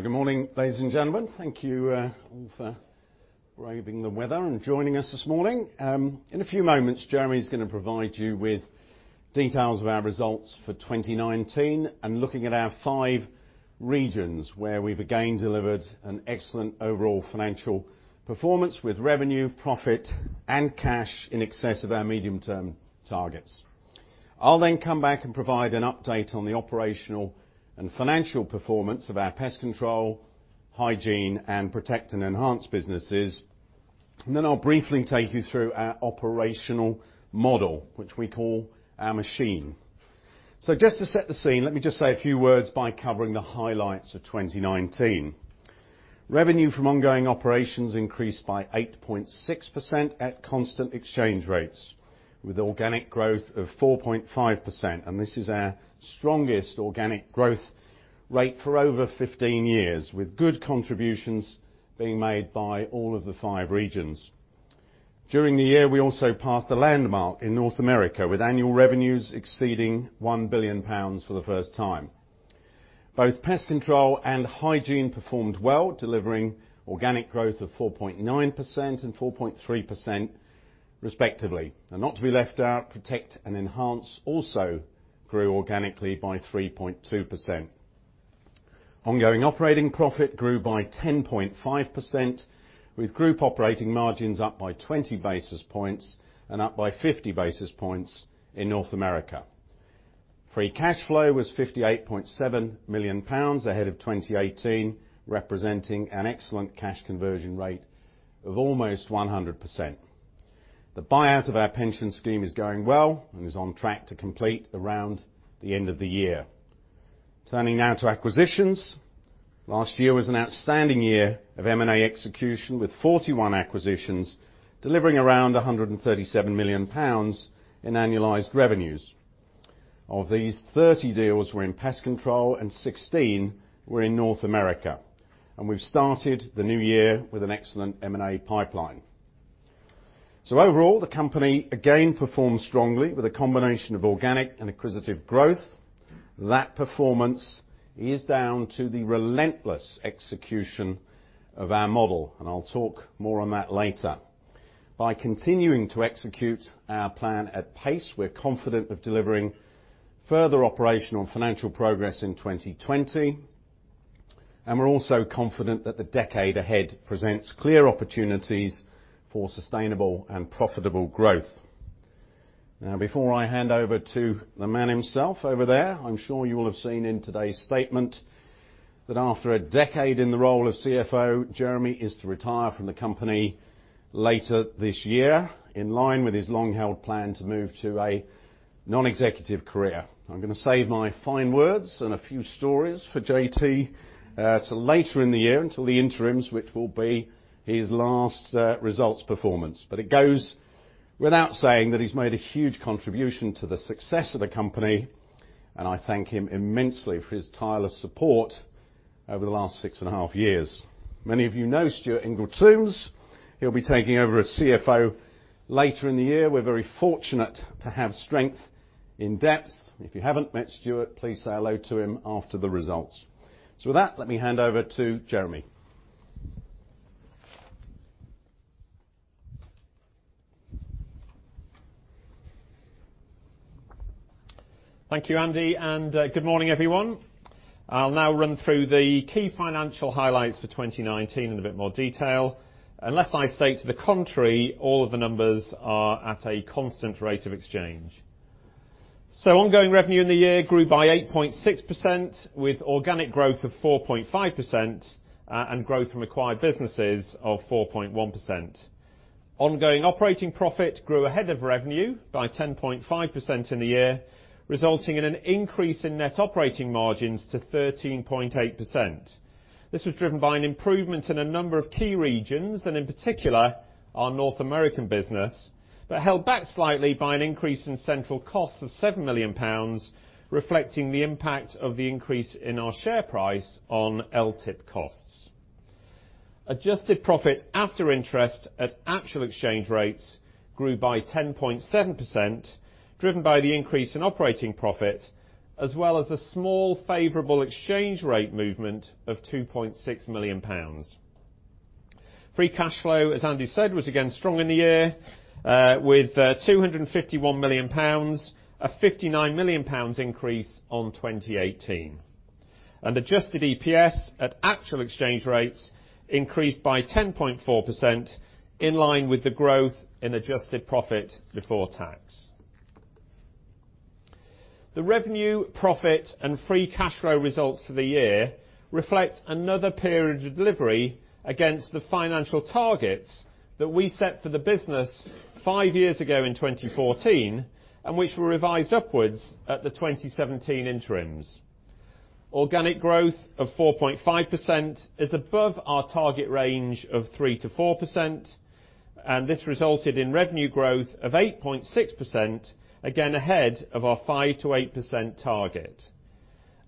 Good morning, ladies and gentlemen. Thank you all for braving the weather and joining us this morning. In a few moments, Jeremy's going to provide you with details of our results for 2019 and looking at our five regions where we've again delivered an excellent overall financial performance with revenue, profit, and cash in excess of our medium-term targets. Then I'll come back and provide an update on the operational and financial performance of our Pest Control, Hygiene, and Protect and Enhance businesses. Then I'll briefly take you through our operational model, which we call our machine. Just to set the scene, let me just say a few words by covering the highlights of 2019. Revenue from ongoing operations increased by 8.6% at constant exchange rates, with organic growth of 4.5%. This is our strongest organic growth rate for over 15 years, with good contributions being made by all of the five regions. During the year, we also passed a landmark in North America with annual revenues exceeding 1 billion pounds for the first time. Both Pest Control and Hygiene performed well, delivering organic growth of 4.9% and 4.3% respectively. Not to be left out, Protect and Enhance also grew organically by 3.2%. Ongoing operating profit grew by 10.5%, with group operating margins up by 20 basis points and up by 50 basis points in North America. Free cash flow was 58.7 million pounds, ahead of 2018, representing an excellent cash conversion rate of almost 100%. The buyout of our pension scheme is going well and is on track to complete around the end of the year. Turning now to acquisitions. Last year was an outstanding year of M&A execution, with 41 acquisitions, delivering around 137 million pounds in annualized revenues. Of these, 30 deals were in Pest Control and 16 were in North America. We've started the new year with an excellent M&A pipeline. Overall, the company again performed strongly with a combination of organic and acquisitive growth. That performance is down to the relentless execution of our model, and I'll talk more on that later. By continuing to execute our plan at pace, we're confident of delivering further operational and financial progress in 2020, and we're also confident that the decade ahead presents clear opportunities for sustainable and profitable growth. Before I hand over to the man himself over there, I am sure you will have seen in today's statement that after a decade in the role of CFO, Jeremy is to retire from the company later this year, in line with his long-held plan to move to a non-executive career. I am going to save my fine words and a few stories for JT to later in the year, until the interims, which will be his last results performance. It goes without saying that he has made a huge contribution to the success of the company, and I thank him immensely for his tireless support over the last six and a half years. Many of you know Stuart Ingall-Tombs. He will be taking over as CFO later in the year. We are very fortunate to have strength in depth. If you have not met Stuart, please say hello to him after the results. With that, let me hand over to Jeremy. Thank you, Andy, and good morning, everyone. I'll now run through the key financial highlights for 2019 in a bit more detail. Unless I state to the contrary, all of the numbers are at a constant rate of exchange. Ongoing revenue in the year grew by 8.6% with organic growth of 4.5% and growth from acquired businesses of 4.1%. Ongoing operating profit grew ahead of revenue by 10.5% in the year, resulting in an increase in net operating margins to 13.8%. This was driven by an improvement in a number of key regions, and in particular our North American business, but held back slightly by an increase in central costs of 7 million pounds, reflecting the impact of the increase in our share price on LTIP costs. Adjusted profit after interest at actual exchange rates grew by 10.7%, driven by the increase in operating profit, as well as a small favorable exchange rate movement of 2.6 million pounds. Free cash flow, as Andy said, was again strong in the year, with 251 million pounds, a 59 million pounds increase on 2018. Adjusted EPS at actual exchange rates increased by 10.4%, in line with the growth in adjusted profit before tax. The revenue, profit, and free cash flow results for the year reflect another period of delivery against the financial targets that we set for the business five years ago in 2014, and which were revised upwards at the 2017 interims. Organic growth of 4.5% is above our target range of 3%-4%. This resulted in revenue growth of 8.6%, again ahead of our 5%-8% target.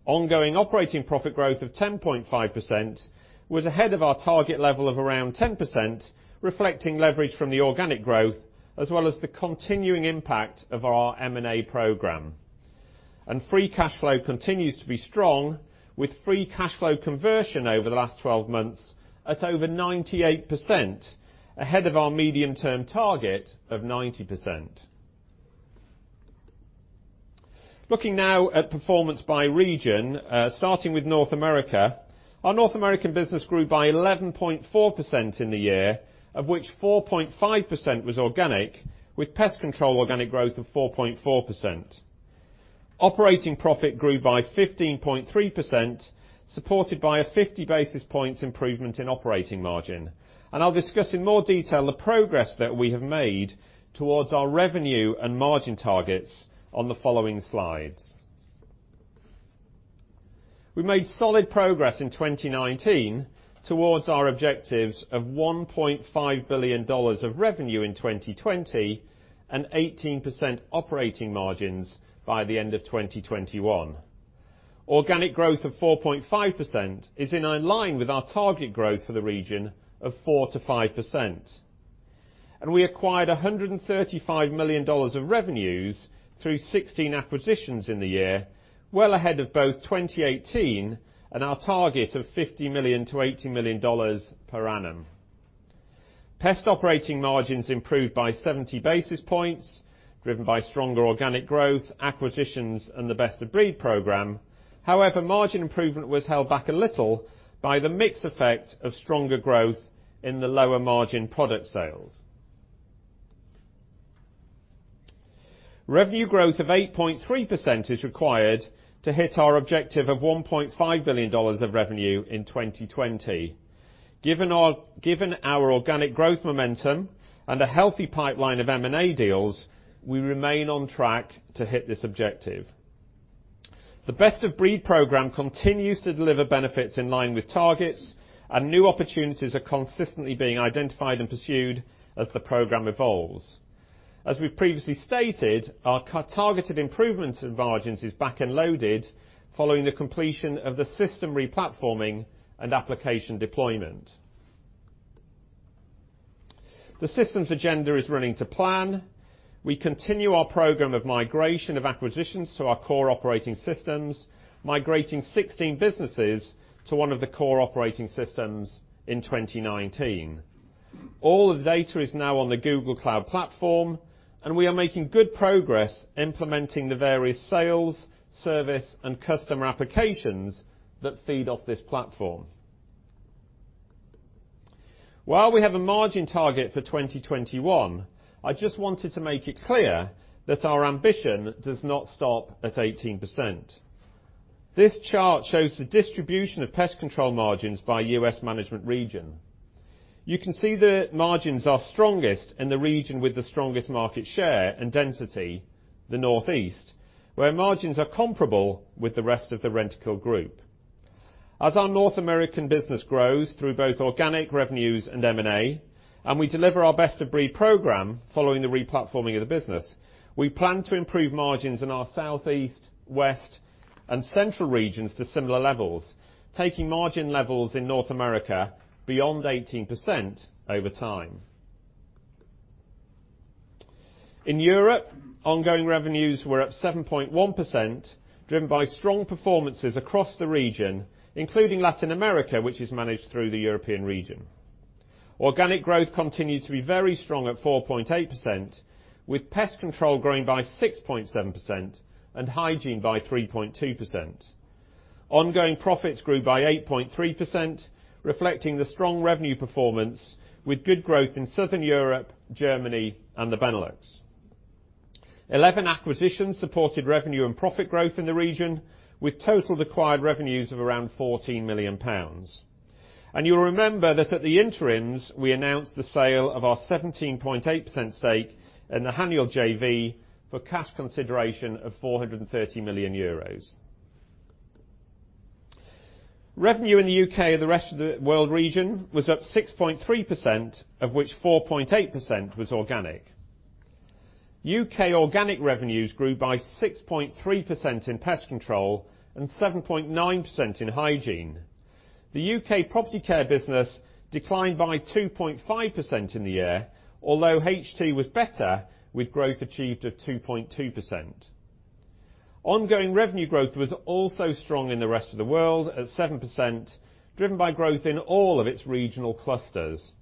Ongoing operating profit growth of 10.5% was ahead of our target level of around 10%, reflecting leverage from the organic growth, as well as the continuing impact of our M&A program. Free cash flow continues to be strong, with free cash flow conversion over the last 12 months at over 98%, ahead of our medium-term target of 90%. Looking now at performance by region, starting with North America. Our North American business grew by 11.4% in the year, of which 4.5% was organic, with Pest Control organic growth of 4.4%. Operating profit grew by 15.3%, supported by a 50-basis point improvement in operating margin. I'll discuss in more detail the progress that we have made towards our revenue and margin targets on the following slides. We made solid progress in 2019 towards our objectives of $1.5 billion of revenue in 2020 and 18% operating margins by the end of 2021. Organic growth of 4.5% is in line with our target growth for the region of 4%-5%. We acquired $135 million of revenues through 16 acquisitions in the year, well ahead of both 2018 and our target of $50 million-$80 million per annum. Pest operating margins improved by 70 basis points, driven by stronger organic growth, acquisitions, and the Best of Breed program. However, margin improvement was held back a little by the mix effect of stronger growth in the lower-margin product sales. Revenue growth of 8.3% is required to hit our objective of $1.5 billion of revenue in 2020. Given our organic growth momentum and a healthy pipeline of M&A deals, we remain on track to hit this objective. The Best of Breed program continues to deliver benefits in line with targets, and new opportunities are consistently being identified and pursued as the program evolves. As we've previously stated, our targeted improvements in margins is back-end loaded, following the completion of the system replatforming and application deployment. The systems agenda is running to plan. We continue our program of migration of acquisitions to our core operating systems, migrating 16 businesses to one of the core operating systems in 2019. All the data is now on the Google Cloud platform, and we are making good progress implementing the various sales, service, and customer applications that feed off this platform. While we have a margin target for 2021, I just wanted to make it clear that our ambition does not stop at 18%. This chart shows the distribution of Pest Control margins by U.S. management region. You can see the margins are strongest in the region with the strongest market share and density, the Northeast, where margins are comparable with the rest of the Rentokil group. As our North American business grows through both organic revenues and M&A, and we deliver our Best of Breed program following the replatforming of the business, we plan to improve margins in our Southeast, West, and central regions to similar levels, taking margin levels in North America beyond 18% over time. In Europe, ongoing revenues were up 7.1%, driven by strong performances across the region, including Latin America, which is managed through the European region. Organic growth continued to be very strong at 4.8%, with Pest Control growing by 6.7% and Hygiene by 3.2%. Ongoing profits grew by 8.3%, reflecting the strong revenue performance, with good growth in Southern Europe, Germany, and the Benelux. 11 acquisitions supported revenue and profit growth in the region, with total acquired revenues of around 14 million pounds. You will remember that at the interims, we announced the sale of our 17.8% stake in the Haniel JV for cash consideration of 430 million euros. Revenue in the U.K., the rest-of-the-world region, was up 6.3%, of which 4.8% was organic. U.K. organic revenues grew by 6.3% in Pest Control and 7.9% in Hygiene. The U.K. Property Care business declined by 2.5% in the year, although H2 was better, with growth achieved of 2.2%. Ongoing revenue growth was also strong in the rest of the world at 7%, driven by growth in all of its regional clusters.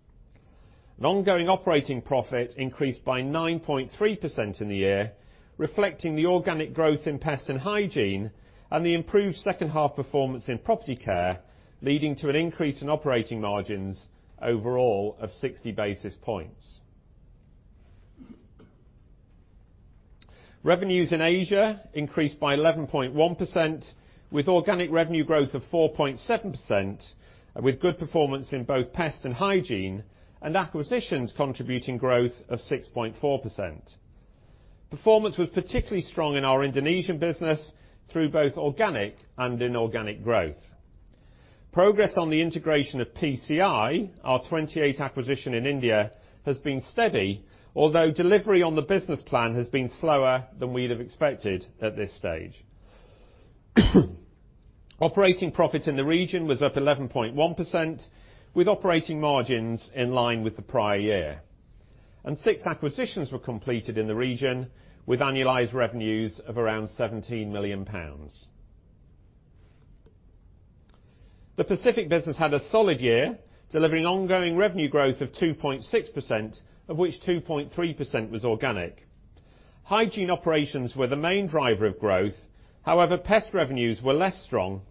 An ongoing operating profit increased by 9.3% in the year, reflecting the organic growth in Pest Control and Hygiene, and the improved second half performance in Property Care, leading to an increase in operating margins overall of 60 basis points. Revenues in Asia increased by 11.1%, with organic revenue growth of 4.7%, and with good performance in both Pest Control and Hygiene, and acquisitions contributing growth of 6.4%. Performance was particularly strong in our Indonesian business through both organic and inorganic growth. Progress on the integration of PCI, our 28 acquisition in India, has been steady, although delivery on the business plan has been slower than we'd have expected at this stage. Operating profit in the region was up 11.1%, with operating margins in line with the prior year. Six acquisitions were completed in the region, with annualized revenues of around 17 million pounds. The Pacific business had a solid year, delivering ongoing revenue growth of 2.6%, of which 2.3% was organic. Hygiene operations were the main driver of growth. However, Pest revenues were less strong,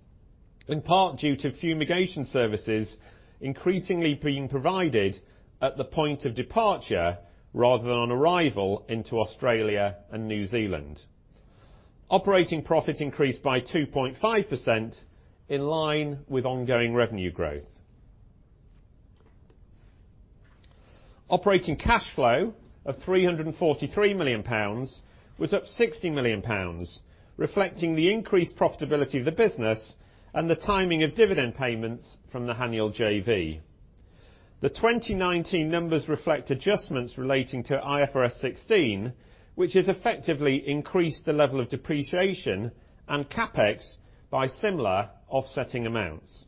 in part due to fumigation services increasingly being provided at the point of departure rather than on arrival into Australia and New Zealand. Operating profit increased by 2.5%, in line with ongoing revenue growth. Operating cash flow of 343 million pounds was up 60 million pounds, reflecting the increased profitability of the business and the timing of dividend payments from the Haniel JV. The 2019 numbers reflect adjustments relating to IFRS 16, which has effectively increased the level of depreciation and CapEx by similar offsetting amounts.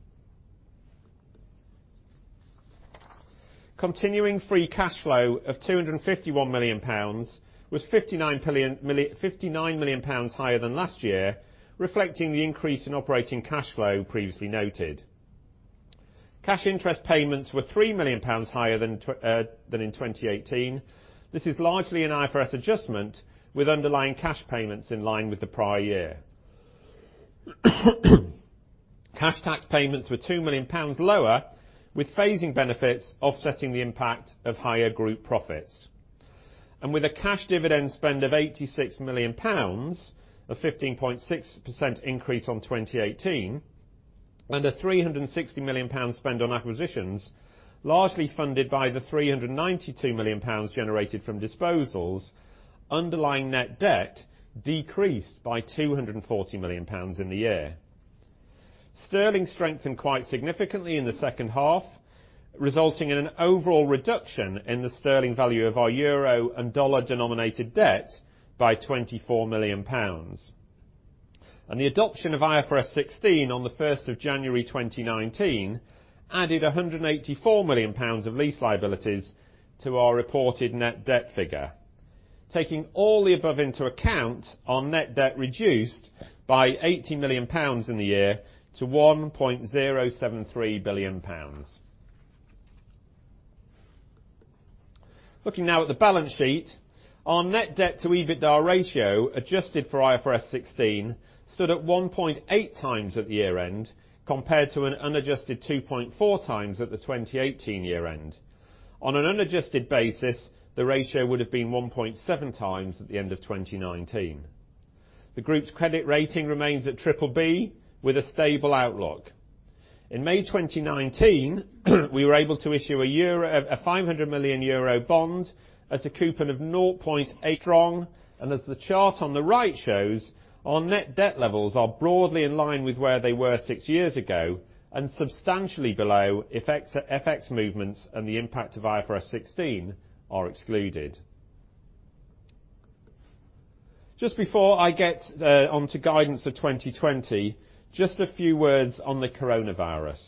Continuing free cash flow of 251 million pounds was 59 million pounds higher than last year, reflecting the increase in operating cash flow previously noted. Cash interest payments were 3 million pounds higher than in 2018. This is largely an IFRS adjustment, with underlying cash payments in line with the prior year. Cash tax payments were 2 million pounds lower, with phasing benefits offsetting the impact of higher group profits. With a cash dividend spend of 86 million pounds, a 15.6% increase on 2018, and a 360 million pounds spend on acquisitions, largely funded by the 392 million pounds generated from disposals, underlying net debt decreased by 240 million pounds in the year. Sterling strengthened quite significantly in the second half, resulting in an overall reduction in the sterling value of our EUR and USD-denominated debt by 24 million pounds. The adoption of IFRS 16 on the 1st of January 2019 added 184 million pounds of lease liabilities to our reported net debt figure. Taking all the above into account, our net debt reduced by 80 million pounds in the year to 1.073 billion pounds. Looking now at the balance sheet, our net debt to EBITDA ratio, adjusted for IFRS 16, stood at 1.8x at the year-end, compared to an unadjusted 2.4x at the 2018 year-end. On an unadjusted basis, the ratio would have been 1.7x at the end of 2019. The group's credit rating remains at BBB, with a stable outlook. In May 2019, we were able to issue a 500 million euro bond at a coupon of 0.8%. As the chart on the right shows, our net debt levels are broadly in line with where they were six years ago and substantially below FX movements and the impact of IFRS 16 are excluded. Just before I get onto guidance for 2020, just a few words on the coronavirus.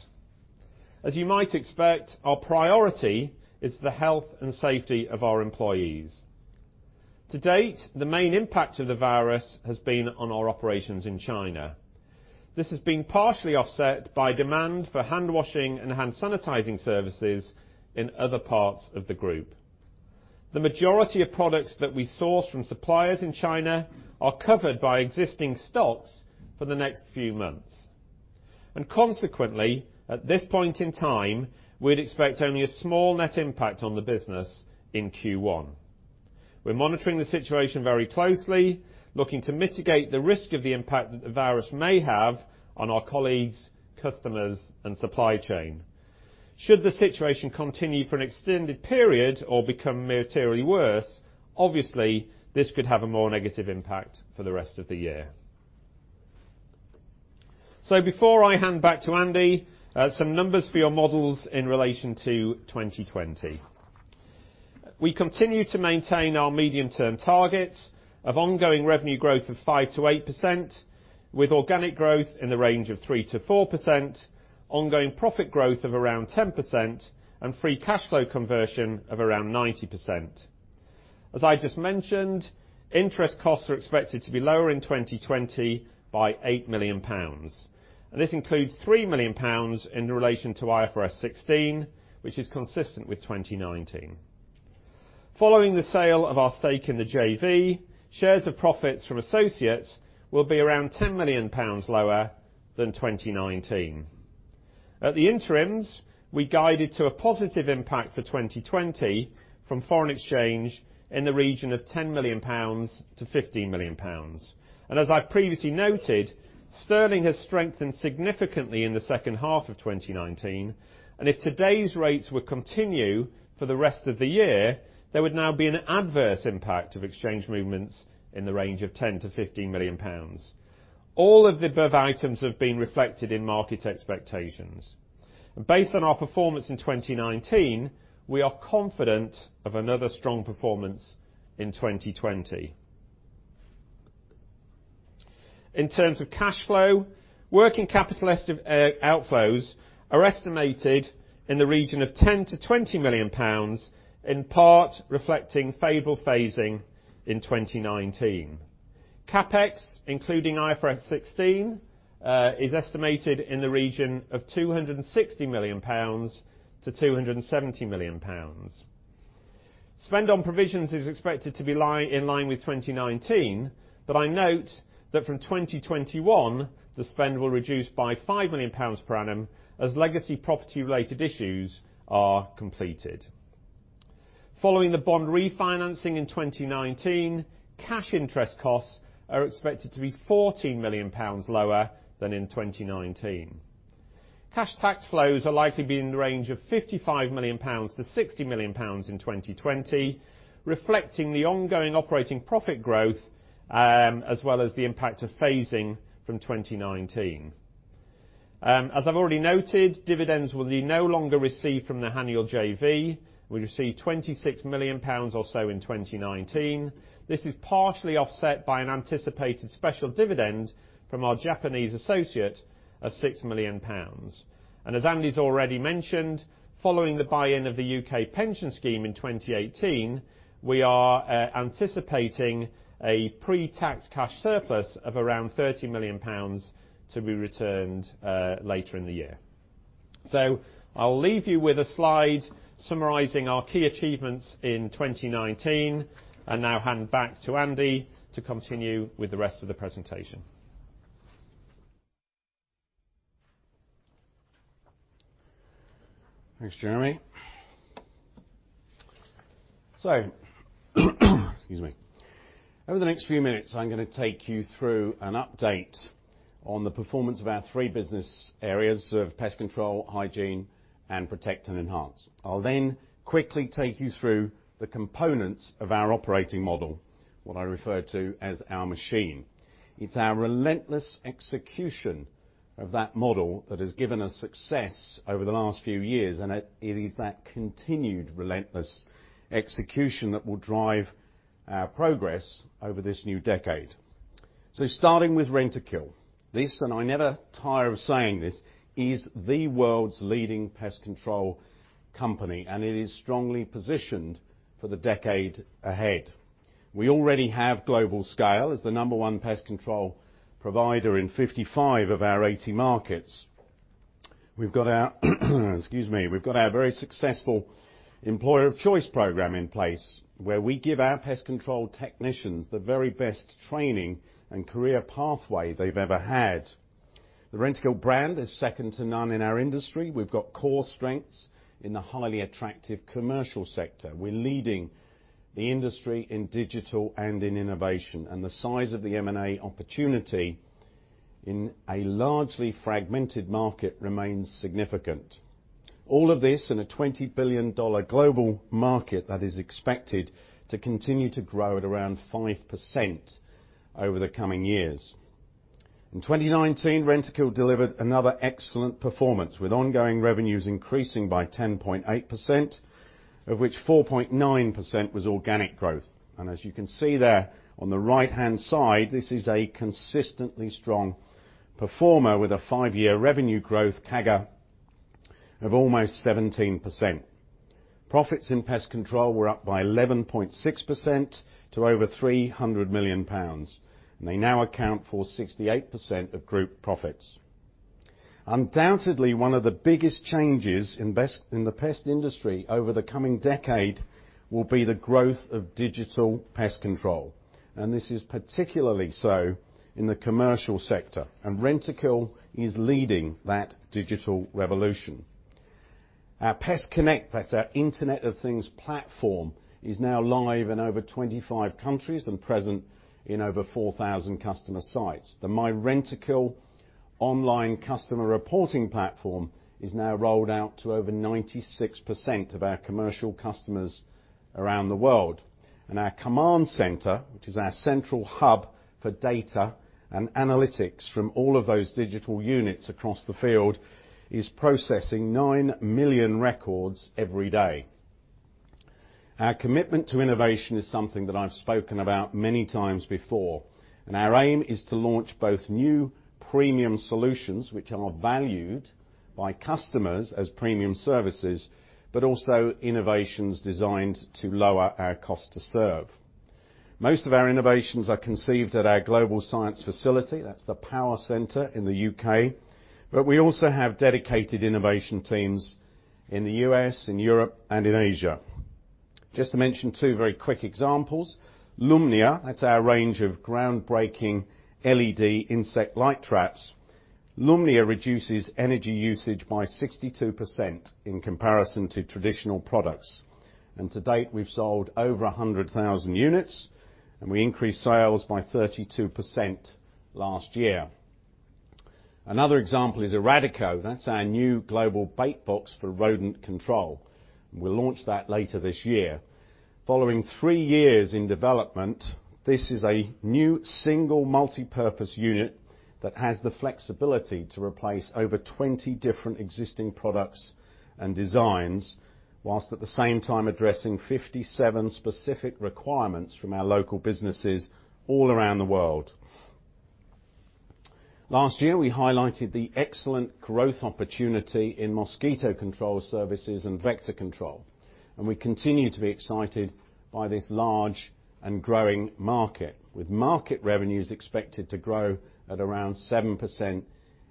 As you might expect, our priority is the health and safety of our employees. To date, the main impact of the virus has been on our operations in China. This has been partially offset by demand for handwashing and hand sanitizing services in other parts of the group. The majority of products that we source from suppliers in China are covered by existing stocks for the next few months. Consequently, at this point in time, we'd expect only a small net impact on the business in Q1. We're monitoring the situation very closely, looking to mitigate the risk of the impact that the virus may have on our colleagues, customers, and supply chain. Should the situation continue for an extended period or become materially worse, obviously, this could have a more negative impact for the rest of the year. Before I hand back to Andy, some numbers for your models in relation to 2020. We continue to maintain our medium-term targets of ongoing revenue growth of 5%-8%, with organic growth in the range of 3%-4%, ongoing profit growth of around 10%, and free cash flow conversion of around 90%. As I just mentioned, interest costs are expected to be lower in 2020 by 8 million pounds. This includes 3 million pounds in relation to IFRS 16, which is consistent with 2019. Following the sale of our stake in the JV, shares of profits from associates will be around 10 million pounds lower than 2019. At the interims, we guided to a positive impact for 2020 from foreign exchange in the region of 10 million-15 million pounds. As I previously noted, sterling has strengthened significantly in the second half of 2019, and if today's rates were continue for the rest of the year, there would now be an adverse impact of exchange movements in the range of 10 million-15 million pounds. All of the above items have been reflected in market expectations. Based on our performance in 2019, we are confident of another strong performance in 2020. In terms of cash flow, working capital outflows are estimated in the region of £10 million to £20 million, in part reflecting favorable phasing in 2019. CapEx, including IFRS 16, is estimated in the region of £260 million to 270 million pounds. Spend on provisions is expected to be in line with 2019, but I note that from 2021, the spend will reduce by 5 million pounds per annum as legacy property-related issues are completed. Following the bond refinancing in 2019, cash interest costs are expected to be £14 million lower than in 2019. Cash tax flows are likely to be in the range of 55 million-60 million pounds in 2020, reflecting the ongoing operating profit growth, as well as the impact of phasing from 2019. As I've already noted, dividends will be no longer received from the Haniel JV. We received 26 million pounds or so in 2019. This is partially offset by an anticipated special dividend from our Japanese associate of 6 million pounds. As Andy's already mentioned, following the buy-in of the U.K. pension scheme in 2018, we are anticipating a pre-tax cash surplus of around 30 million pounds to be returned later in the year. I'll leave you with a slide summarizing our key achievements in 2019 and now hand back to Andy to continue with the rest of the presentation. Thanks, Jeremy. Excuse me. Over the next few minutes, I'm going to take you through an update on the performance of our three business areas of Pest Control, Hygiene, and Protect and Enhance. I'll then quickly take you through the components of our operating model, what I refer to as our machine. It's our relentless execution of that model that has given us success over the last few years, and it is that continued relentless execution that will drive our progress over this new decade. Starting with Rentokil. This, and I never tire of saying this, is the world's leading pest control company, and it is strongly positioned for the decade ahead. We already have global scale as the number one pest control provider in 55 of our 80 markets. We've got our, excuse me, very successful Employer of Choice program in place, where we give our pest control technicians the very best training and career pathway they've ever had. The Rentokil brand is second to none in our industry. We've got core strengths in the highly attractive commercial sector. The size of the M&A opportunity in a largely fragmented market remains significant. All of this in a $20 billion global market that is expected to continue to grow at around 5% over the coming years. In 2019, Rentokil delivered another excellent performance, with ongoing revenues increasing by 10.8%, of which 4.9% was organic growth. As you can see there on the right-hand side, this is a consistently strong performer with a five-year revenue growth CAGR of almost 17%. Profits in Pest Control were up by 11.6% to over 300 million pounds, and they now account for 68% of group profits. Undoubtedly, one of the biggest changes in the pest industry over the coming decade will be the growth of digital pest control, and this is particularly so in the commercial sector, and Rentokil is leading that digital revolution. Our PestConnect, that's our Internet of Things platform, is now live in over 25 countries and present in over 4,000 customer sites. The myRentokil online customer reporting platform is now rolled out to over 96% of our commercial customers around the world. Our command center, which is our central hub for data and analytics from all of those digital units across the field, is processing 9 million records every day. Our commitment to innovation is something that I've spoken about many times before, our aim is to launch both new premium solutions which are valued by customers as premium services, but also innovations designed to lower our cost to serve. Most of our innovations are conceived at our global science facility. That's The Power Centre in the U.K., but we also have dedicated innovation teams in the U.S., in Europe, and in Asia. Just to mention two very quick examples, Lumnia, that's our range of groundbreaking LED insect light traps. Lumnia reduces energy usage by 62% in comparison to traditional products. To date, we've sold over 100,000 units, and we increased sales by 32% last year. Another example is Eradika. That's our new global bait box for rodent control. We'll launch that later this year. Following three years in development, this is a new single multipurpose unit that has the flexibility to replace over 20 different existing products and designs, while at the same time addressing 57 specific requirements from our local businesses all around the world. Last year, we highlighted the excellent growth opportunity in mosquito control services and vector control, and we continue to be excited by this large and growing market, with market revenues expected to grow at around 7%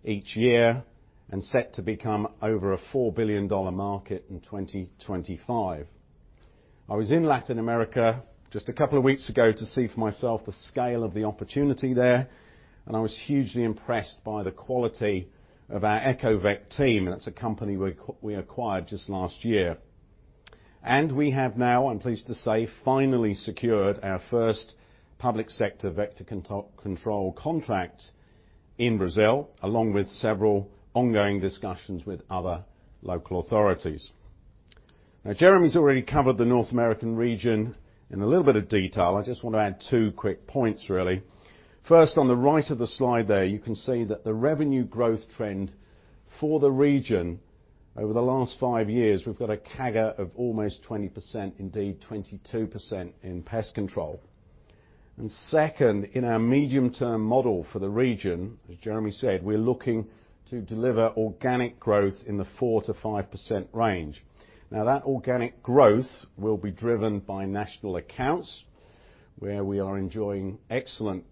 each year and set to become over a $4 billion market in 2025. I was in Latin America just a couple of weeks ago to see for myself the scale of the opportunity there, and I was hugely impressed by the quality of our Ecovec team. That's a company we acquired just last year. We have now, I'm pleased to say, finally secured our first public sector vector control contract in Brazil, along with several ongoing discussions with other local authorities. Jeremy's already covered the North American region in a little bit of detail. I just want to add two quick points really. First, on the right of the slide there, you can see that the revenue growth trend for the region over the last five years, we've got a CAGR of almost 20%, indeed 22%, in Pest Control. Second, in our medium-term model for the region, as Jeremy said, we're looking to deliver organic growth in the 4%-5% range. Organic growth will be driven by national accounts, where we are enjoying excellent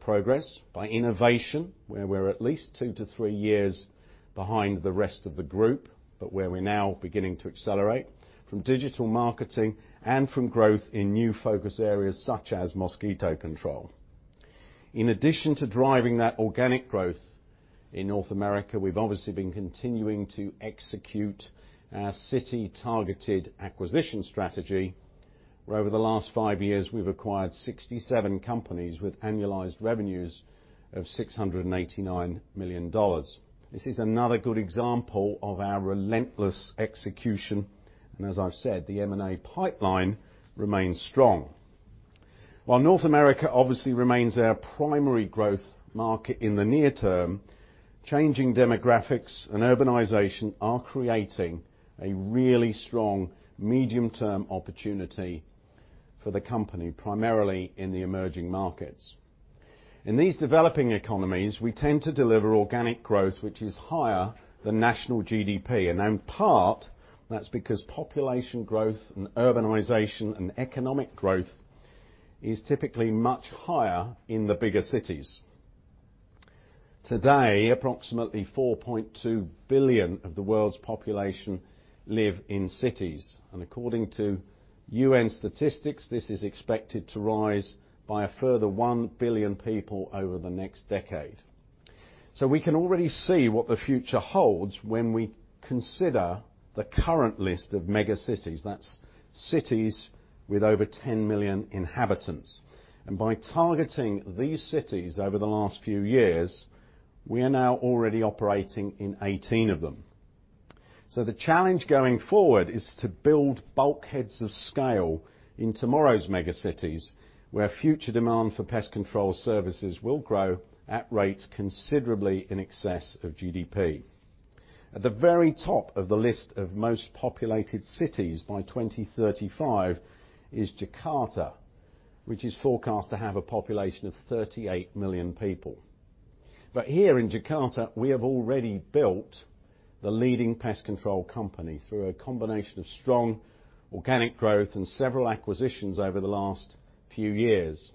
progress by innovation, where we're at least two to three years behind the rest of the group, but where we're now beginning to accelerate from digital marketing and from growth in new focus areas such as mosquito control. In addition to driving that organic growth in North America, we've obviously been continuing to execute our city-targeted acquisition strategy, where over the last five years, we've acquired 67 companies with annualized revenues of $689 million. This is another good example of our relentless execution. As I've said, the M&A pipeline remains strong. While North America obviously remains our primary growth market in the near term, changing demographics and urbanization are creating a really strong medium-term opportunity for the company, primarily in the emerging markets. In these developing economies, we tend to deliver organic growth which is higher than national GDP, and in part that's because population growth and urbanization and economic growth is typically much higher in the bigger cities. Today, approximately 4.2 billion of the world's population live in cities, and according to UN statistics, this is expected to rise by a further 1 billion people over the next decade. We can already see what the future holds when we consider the current list of mega cities, that's cities with over 10 million inhabitants. By targeting these cities over the last few years, we are now already operating in 18 of them. The challenge going forward is to build bulkheads of scale in tomorrow's mega cities, where future demand for pest control services will grow at rates considerably in excess of GDP. At the very top of the list of most populated cities by 2035 is Jakarta, which is forecast to have a population of 38 million people. Here in Jakarta, we have already built the leading pest control company through a combination of strong organic growth and several acquisitions over the last few years.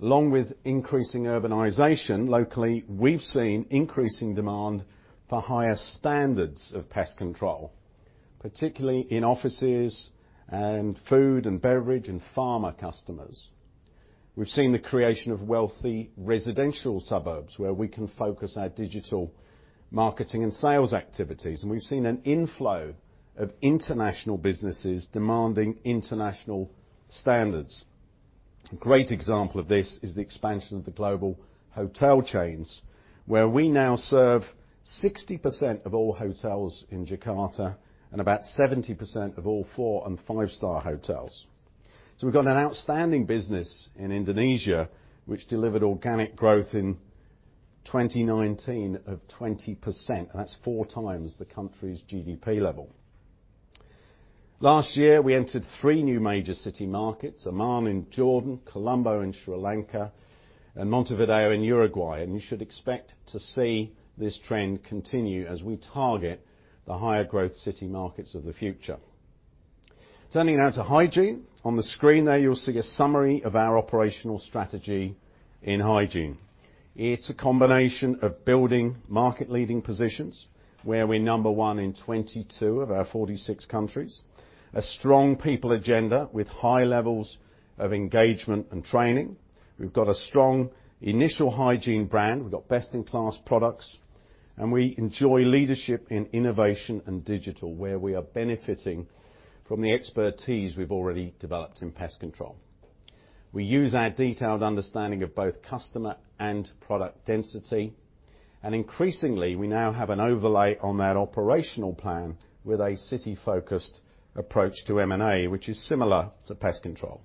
Along with increasing urbanization locally, we've seen increasing demand for higher standards of pest control, particularly in offices and food and beverage and pharma customers. We've seen the creation of wealthy residential suburbs where we can focus our digital marketing and sales activities, and we've seen an inflow of international businesses demanding international standards. A great example of this is the expansion of the global hotel chains, where we now serve 60% of all hotels in Jakarta and about 70% of all four and five-star hotels. We've got an outstanding business in Indonesia which delivered organic growth in 2019 of 20%. That's four times the country's GDP level. Last year, we entered three new major city markets, Amman in Jordan, Colombo in Sri Lanka, and Montevideo in Uruguay, and you should expect to see this trend continue as we target the higher growth city markets of the future. Turning now to Hygiene. On the screen there, you'll see a summary of our operational strategy in Hygiene. It's a combination of building market leading positions where we're number 1 in 22 of our 46 countries, a strong people agenda with high levels of engagement and training. We've got a strong Initial Hygiene brand. We've got best-in-class products, and we enjoy leadership in innovation and digital, where we are benefiting from the expertise we've already developed in Pest Control. We use our detailed understanding of both customer and product density, and increasingly, we now have an overlay on that operational plan with a city-focused approach to M&A, which is similar to Pest Control.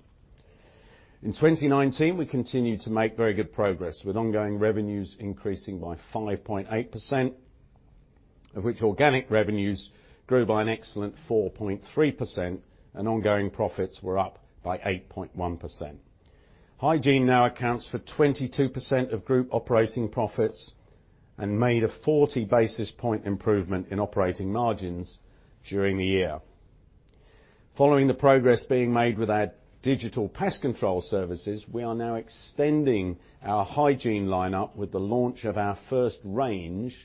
In 2019, we continued to make very good progress, with ongoing revenues increasing by 5.8%, of which organic revenues grew by an excellent 4.3%, and ongoing profits were up by 8.1%. Hygiene now accounts for 22% of group operating profits and made a 40 basis point improvement in operating margins during the year. Following the progress being made with our digital Pest Control services, we are now extending our Hygiene lineup with the launch of our first range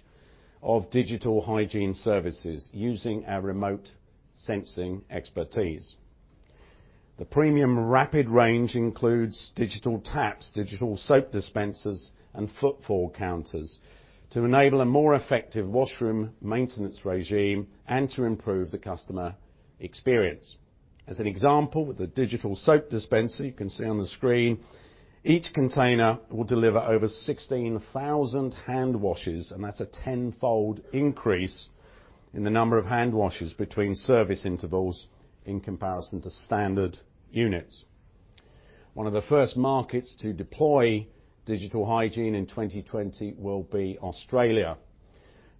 of digital Hygiene services using our remote sensing expertise. The premium Rapid range includes digital taps, digital soap dispensers, and footfall counters to enable a more effective washroom maintenance regime and to improve the customer experience. As an example, with the digital soap dispenser you can see on the screen, each container will deliver over 16,000 hand washes, and that's a tenfold increase in the number of hand washes between service intervals in comparison to standard units. One of the first markets to deploy digital Hygiene in 2020 will be Australia,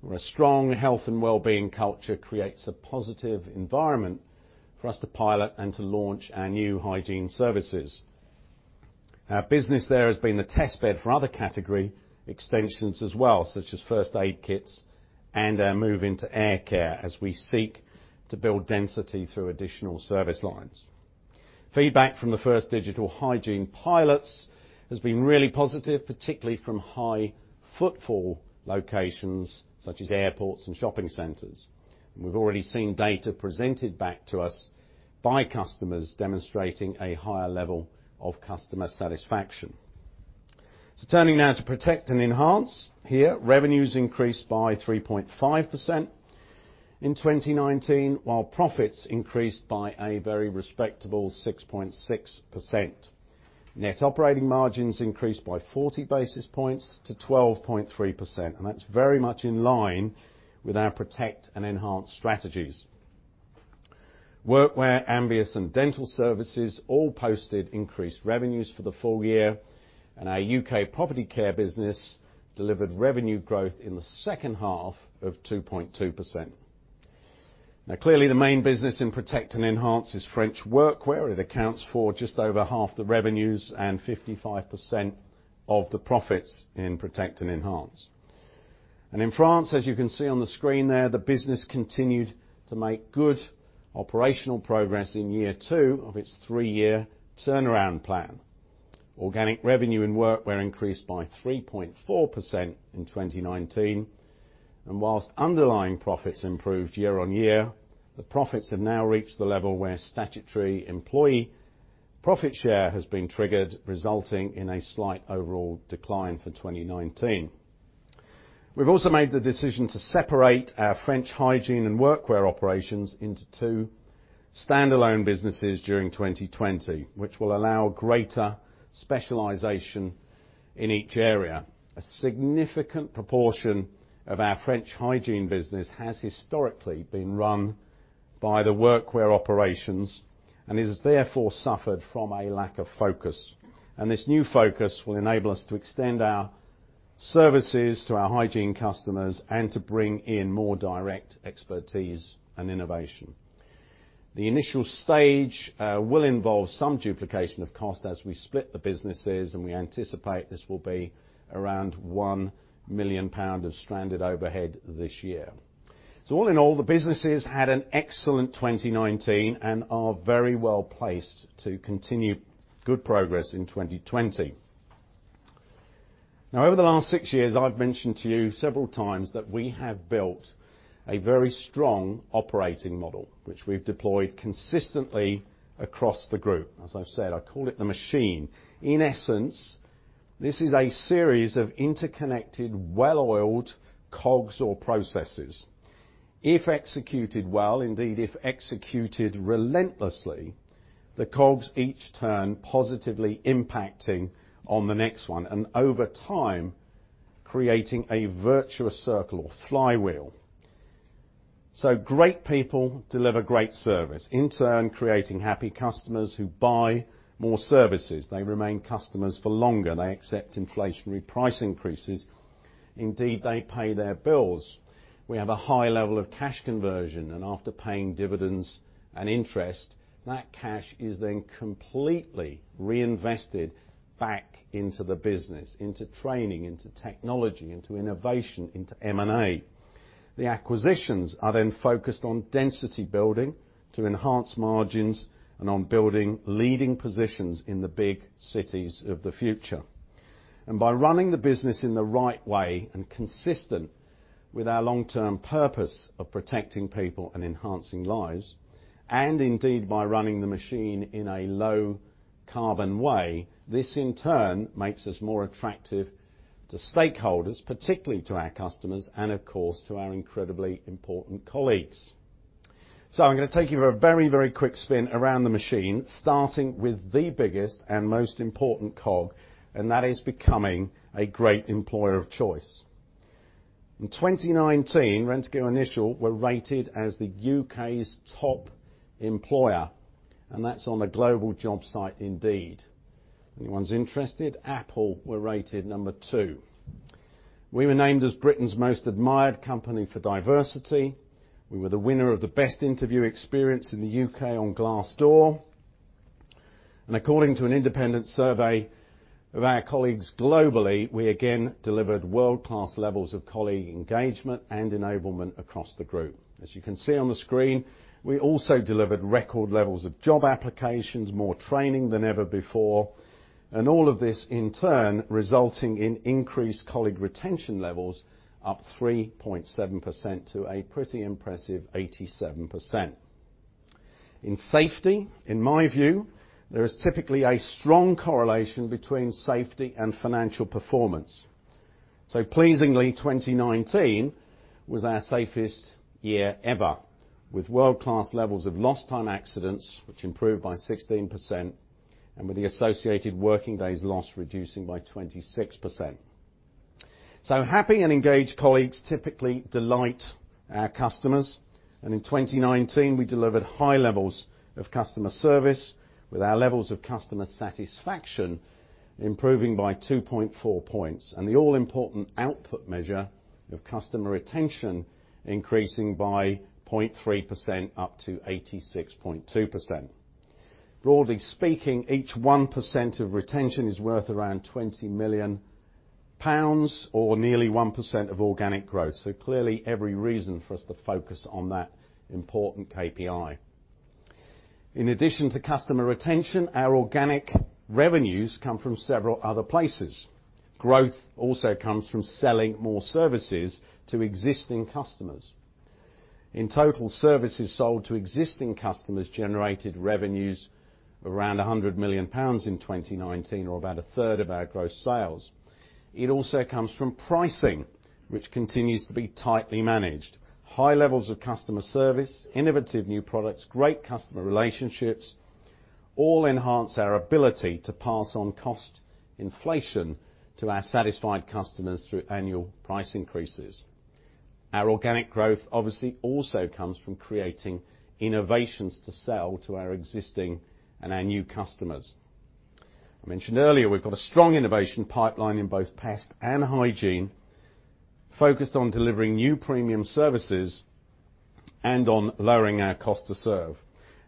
where a strong health and wellbeing culture creates a positive environment for us to pilot and to launch our new Hygiene services. Our business there has been the test bed for other category extensions as well, such as first aid kits and our move into air care as we seek to build density through additional service lines. Feedback from the first digital Hygiene pilots has been really positive, particularly from high footfall locations such as airports and shopping centers. We've already seen data presented back to us by customers demonstrating a higher level of customer satisfaction. Turning now to Protect and Enhance. Here, revenues increased by 3.5% in 2019, while profits increased by a very respectable 6.6%. Net operating margins increased by 40 basis points to 12.3%, and that's very much in line with our Protect and Enhance strategies. Workwear, Ambius, and dental services all posted increased revenues for the full year, and our U.K. Property Care business delivered revenue growth in the second half of 2.2%. Clearly, the main business in Protect and Enhance is French Workwear. It accounts for just over half the revenues and 55% of the profits in Protect and Enhance. In France, as you can see on the screen there, the business continued to make good operational progress in year two of its three-year turnaround plan. Organic revenue and Workwear increased by 3.4% in 2019. Whilst underlying profits improved year-on-year, the profits have now reached the level where statutory employee profit share has been triggered, resulting in a slight overall decline for 2019. We've also made the decision to separate our French Hygiene and Workwear operations into two standalone businesses during 2020, which will allow greater specialization in each area. A significant proportion of our French Hygiene business has historically been run by the Workwear operations and has therefore suffered from a lack of focus. This new focus will enable us to extend our services to our Hygiene customers and to bring in more direct expertise and innovation. The initial stage will involve some duplication of cost as we split the businesses, and we anticipate this will be around 1 million pound of stranded overhead this year. All in all, the businesses had an excellent 2019 and are very well-placed to continue good progress in 2020. Now, over the last six years, I've mentioned to you several times that we have built a very strong operating model, which we've deployed consistently across the group. As I've said, I call it the machine. In essence, this is a series of interconnected, well-oiled cogs or processes. If executed well, indeed if executed relentlessly, the cogs each turn positively impacting on the next one, and over time, creating a virtuous circle or flywheel. Great people deliver great service, in turn, creating happy customers who buy more services. They remain customers for longer. They accept inflationary price increases. They pay their bills. We have a high level of cash conversion, and after paying dividends and interest, that cash is then completely reinvested back into the business, into training, into technology, into innovation, into M&A. The acquisitions are then focused on density building to enhance margins and on building leading positions in the big cities of the future. By running the business in the right way and consistent with our long-term purpose of protecting people and enhancing lives, and indeed by running the machine in a low-carbon way, this in turn makes us more attractive to stakeholders, particularly to our customers and, of course, to our incredibly important colleagues. I'm going to take you for a very quick spin around the machine, starting with the biggest and most important cog, and that is becoming a great Employer of Choice. In 2019, Rentokil Initial were rated as the U.K.'s top employer, and that's on the global job site Indeed. Anyone who's interested, Apple were rated number two. We were named as Britain's most admired company for diversity. We were the winner of the best interview experience in the U.K. on Glassdoor. According to an independent survey of our colleagues globally, we again delivered world-class levels of colleague engagement and enablement across the group. As you can see on the screen, we also delivered record levels of job applications, more training than ever before, and all of this, in turn, resulting in increased colleague retention levels up 3.7% to a pretty impressive 87%. In safety, in my view, there is typically a strong correlation between safety and financial performance. Pleasingly, 2019 was our safest year ever with world-class levels of lost time accidents, which improved by 16%, and with the associated working days lost reducing by 26%. Happy and engaged colleagues typically delight our customers, and in 2019, we delivered high levels of customer service with our levels of customer satisfaction improving by 2.4 points, and the all-important output measure of customer retention increasing by 0.3% up to 86.2%. Broadly speaking, each 1% of retention is worth around £20 million or nearly 1% of organic growth. Clearly, every reason for us to focus on that important KPI. In addition to customer retention, our organic revenues come from several other places. Growth also comes from selling more services to existing customers. In total, services sold to existing customers generated revenues around 100 million pounds in 2019, or about a third of our gross sales. It also comes from pricing, which continues to be tightly managed. High levels of customer service, innovative new products, great customer relationships all enhance our ability to pass on cost inflation to our satisfied customers through annual price increases. Our organic growth obviously also comes from creating innovations to sell to our existing and our new customers. I mentioned earlier we've got a strong innovation pipeline in both Pest Control and Hygiene focused on delivering new premium services and on lowering our cost to serve.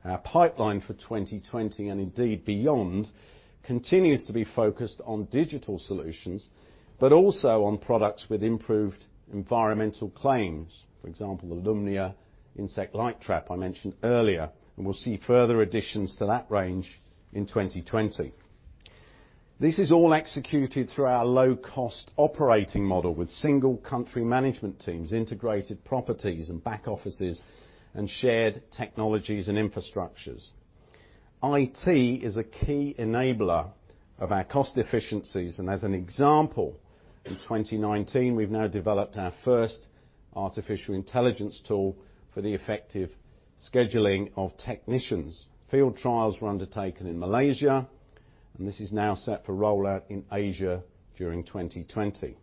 Our pipeline for 2020, and indeed beyond, continues to be focused on digital solutions, but also on products with improved environmental claims. For example, the Lumnia insect light trap I mentioned earlier, and we'll see further additions to that range in 2020. This is all executed through our low-cost operating model with single country management teams, integrated properties and back offices, and shared technologies and infrastructures. IT is a key enabler of our cost efficiencies. As an example, in 2019, we've now developed our first artificial intelligence tool for the effective scheduling of technicians. Field trials were undertaken in Malaysia. This is now set for rollout in Asia during 2020.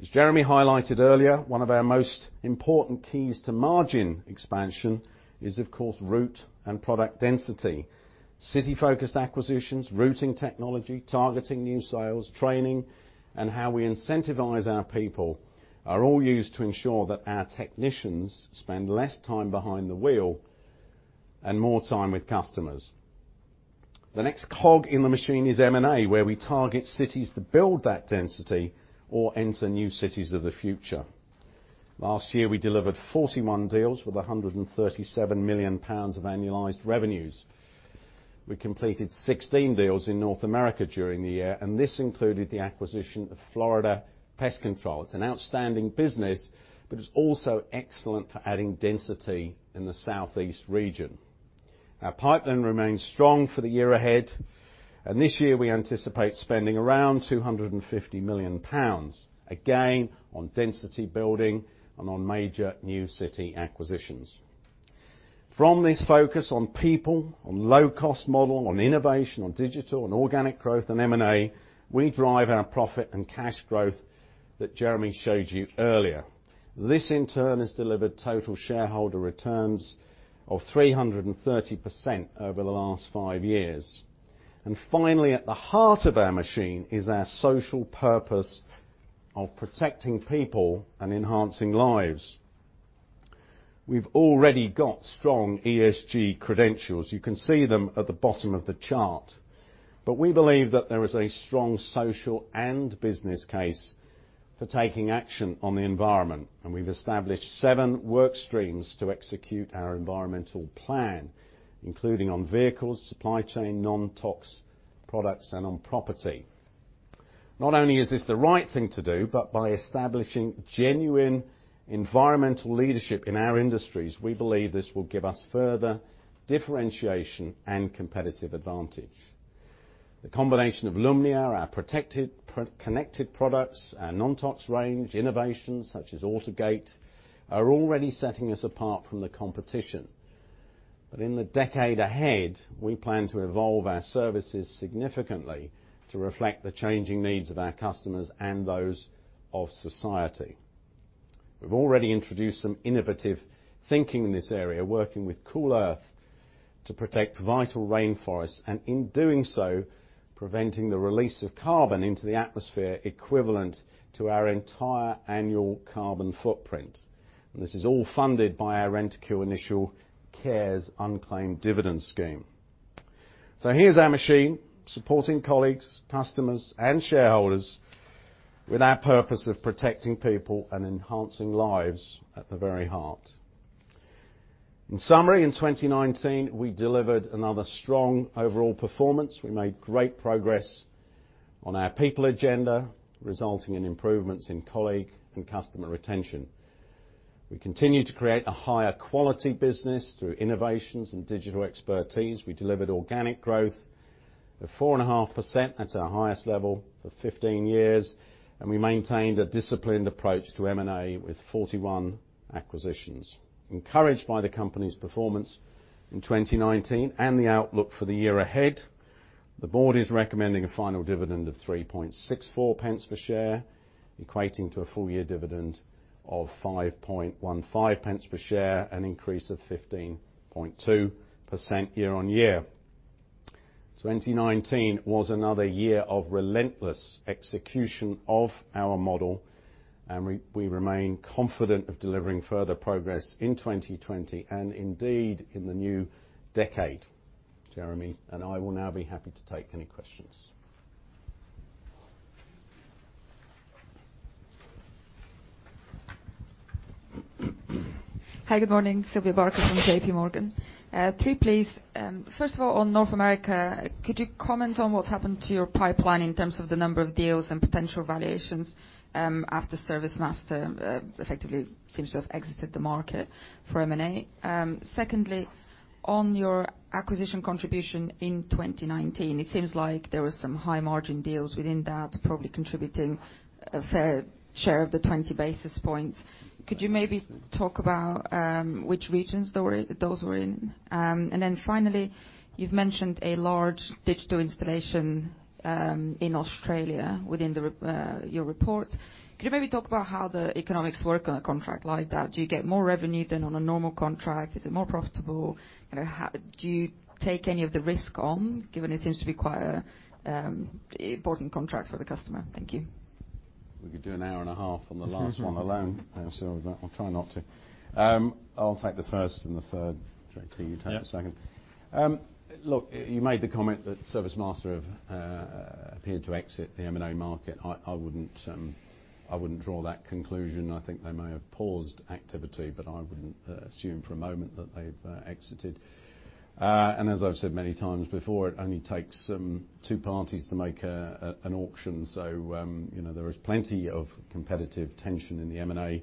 As Jeremy highlighted earlier, one of our most important keys to margin expansion is, of course, route and product density. City-focused acquisitions, routing technology, targeting new sales, training, and how we incentivize our people are all used to ensure that our technicians spend less time behind the wheel and more time with customers. The next cog in the machine is M&A, where we target cities to build that density or enter new cities of the future. Last year, we delivered 41 deals with 137 million pounds of annualized revenues. We completed 16 deals in North America during the year. This included the acquisition of Florida Pest Control. It's an outstanding business. It's also excellent for adding density in the Southeast region. Our pipeline remains strong for the year ahead. This year, we anticipate spending around 250 million pounds, again on density building and on major new city acquisitions. From this focus on people, on low-cost model, on innovation, on digital and organic growth and M&A, we drive our profit and cash growth that Jeremy showed you earlier. This in turn has delivered total shareholder returns of 330% over the last five years. Finally, at the heart of our machine is our social purpose of protecting people and enhancing lives. We've already got strong ESG credentials. You can see them at the bottom of the chart. We believe that there is a strong social and business case for taking action on the environment, and we've established seven work streams to execute our environmental plan, including on vehicles, supply chain, NonTox products, and on property. Not only is this the right thing to do, but by establishing genuine environmental leadership in our industries, we believe this will give us further differentiation and competitive advantage. The combination of Lumnia, our protected connected products, our NonTox range, innovations such as AutoGate are already setting us apart from the competition. In the decade ahead, we plan to evolve our services significantly to reflect the changing needs of our customers and those of society. We've already introduced some innovative thinking in this area, working with Cool Earth to protect vital rainforests, and in doing so, preventing the release of carbon into the atmosphere equivalent to our entire annual carbon footprint. This is all funded by our Rentokil Initial Cares unclaimed dividend scheme. Here's our machine supporting colleagues, customers and shareholders with our purpose of protecting people and enhancing lives at the very heart. In summary, in 2019, we delivered another strong overall performance. We made great progress on our people agenda, resulting in improvements in colleague and customer retention. We continued to create a higher quality business through innovations and digital expertise. We delivered organic growth of 4.5%. That's our highest level for 15 years. We maintained a disciplined approach to M&A with 41 acquisitions. Encouraged by the company's performance in 2019 and the outlook for the year ahead, the board is recommending a final dividend of 0.0364 per share, equating to a full year dividend of 0.0515 per share, an increase of 15.2% year-on-year. 2019 was another year of relentless execution of our model, and we remain confident of delivering further progress in 2020 and indeed in the new decade. Jeremy and I will now be happy to take any questions. Hi. Good morning. Sylvia Barker from JPMorgan. Three please. First of all, on North America, could you comment on what's happened to your pipeline in terms of the number of deals and potential valuations, after ServiceMaster effectively seems to have exited the market for M&A? Secondly, on your acquisition contribution in 2019, it seems like there were some high margin deals within that, probably contributing a fair share of the 20 basis points. Could you maybe talk about which regions those were in? Then finally, you've mentioned a large digital installation in Australia within your report. Could you maybe talk about how the economics work on a contract like that? Do you get more revenue than on a normal contract? Is it more profitable? Do you take any of the risk on, given it seems to be quite an important contract for the customer? Thank you. We could do an hour and a half on the last one alone, Sylvia, but I'll try not to. I'll take the first and the third, Jeremy, you take the second. Yeah. Look, you made the comment that ServiceMaster have appeared to exit the M&A market. I wouldn't draw that conclusion. I think they may have paused activity, but I wouldn't assume for a moment that they've exited. As I've said many times before, it only takes two parties to make an auction. There is plenty of competitive tension in the M&A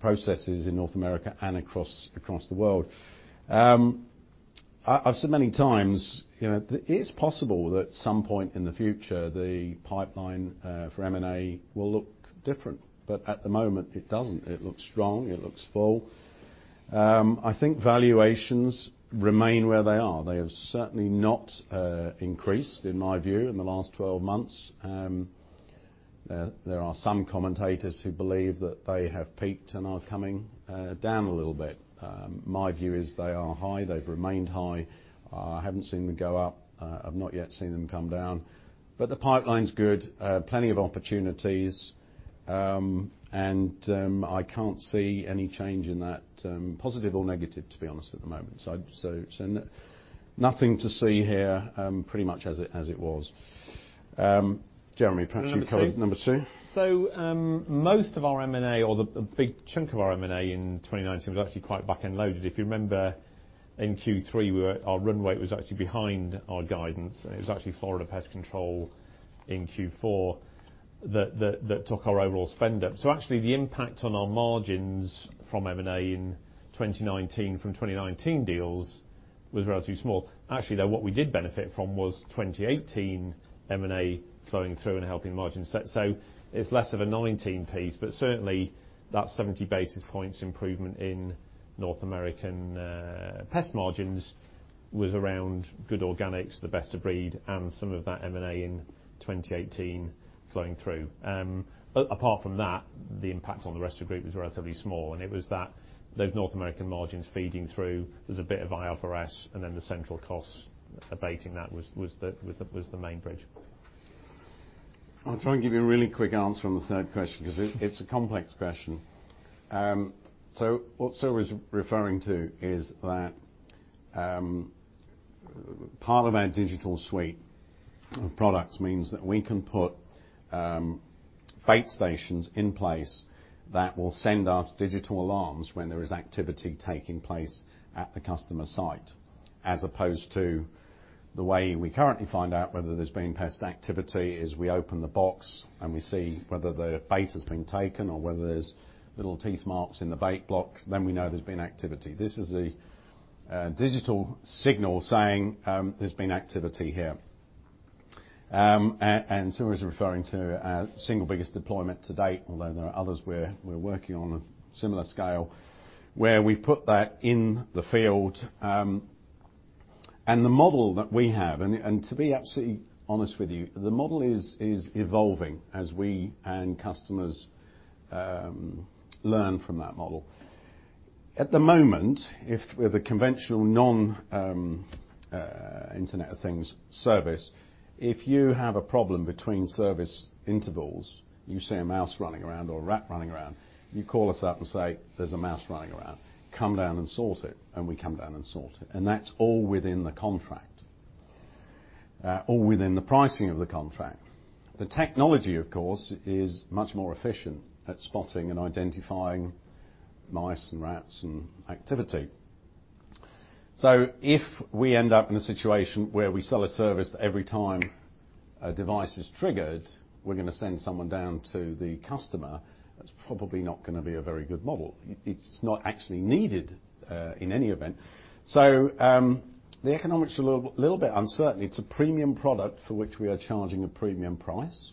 processes in North America and across the world. I've said many times, it is possible that at some point in the future, the pipeline for M&A will look different. At the moment it doesn't. It looks strong, it looks full. I think valuations remain where they are. They have certainly not increased, in my view, in the last 12 months. There are some commentators who believe that they have peaked and are coming down a little bit. My view is they are high, they've remained high. I haven't seen them go up. I've not yet seen them come down. The pipeline's good. Plenty of opportunities. I can't see any change in that, positive or negative, to be honest, at the moment. Nothing to see here. Pretty much as it was. Jeremy, perhaps you can cover number two. Most of our M&A or the big chunk of our M&A in 2019 was actually quite back-end loaded. If you remember in Q3, our run rate was actually behind our guidance, and it was actually Florida Pest Control in Q4 that took our overall spend up. The impact on our margins from M&A in 2019 from 2019 deals was relatively small. What we did benefit from was 2018 M&A flowing through and helping margins. It's less of a 2019 piece, but certainly that 70 basis points improvement in North American pest margins was around good organics, the Best of Breed, and some of that M&A in 2018 flowing through. Apart from that, the impact on the rest of the group was relatively small, and it was those North American margins feeding through. There's a bit of IFRS and then the central costs abating that was the main bridge. I'll try and give you a really quick answer on the third question because it's a complex question. What Sylvia was referring to is that part of our digital suite of products means that we can put bait stations in place that will send us digital alarms when there is activity taking place at the customer site as opposed to the way we currently find out whether there's been pest activity is we open the box and we see whether the bait has been taken or whether there's little teeth marks in the bait blocks, then we know there's been activity. This is the digital signal saying there's been activity here. And is referring to our single biggest deployment to date, although there are others where we're working on a similar scale, where we've put that in the field. The model that we have, and to be absolutely honest with you, the model is evolving as we and customers learn from that model. At the moment, with the conventional non-Internet of Things service, if you have a problem between service intervals, you see a mouse running around or a rat running around, you call us up and say, "There's a mouse running around, come down and sort it," and we come down and sort it. That's all within the contract, all within the pricing of the contract. The technology, of course, is much more efficient at spotting and identifying mice and rats and activity. If we end up in a situation where we sell a service that every time a device is triggered, we're going to send someone down to the customer, that's probably not going to be a very good model. The economics are a little bit uncertain. It's a premium product for which we are charging a premium price.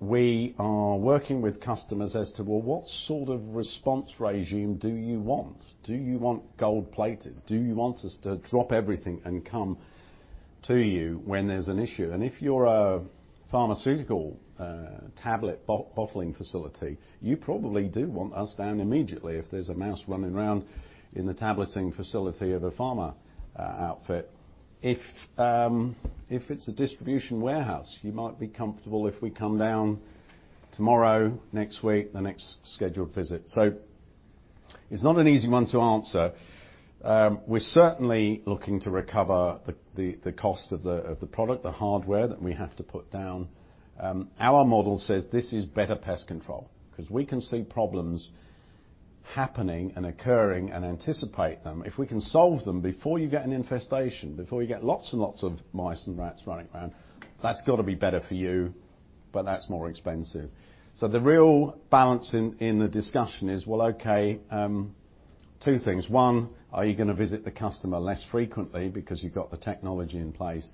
We are working with customers as to, well, what sort of response regime do you want? Do you want gold-plated? Do you want us to drop everything and come to you when there's an issue? If you're a pharmaceutical tablet bottling facility, you probably do want us down immediately if there's a mouse running around in the tableting facility of a pharma outfit. If it's a distribution warehouse, you might be comfortable if we come down tomorrow, next week, the next scheduled visit. It's not an easy one to answer. We're certainly looking to recover the cost of the product, the hardware that we have to put down. Our model says this is better pest control because we can see problems happening and occurring and anticipate them. If we can solve them before you get an infestation, before you get lots and lots of mice and rats running around, that's got to be better for you, but that's more expensive. The real balance in the discussion is, well, okay two things. One, are you going to visit the customer less frequently because you've got the technology in place?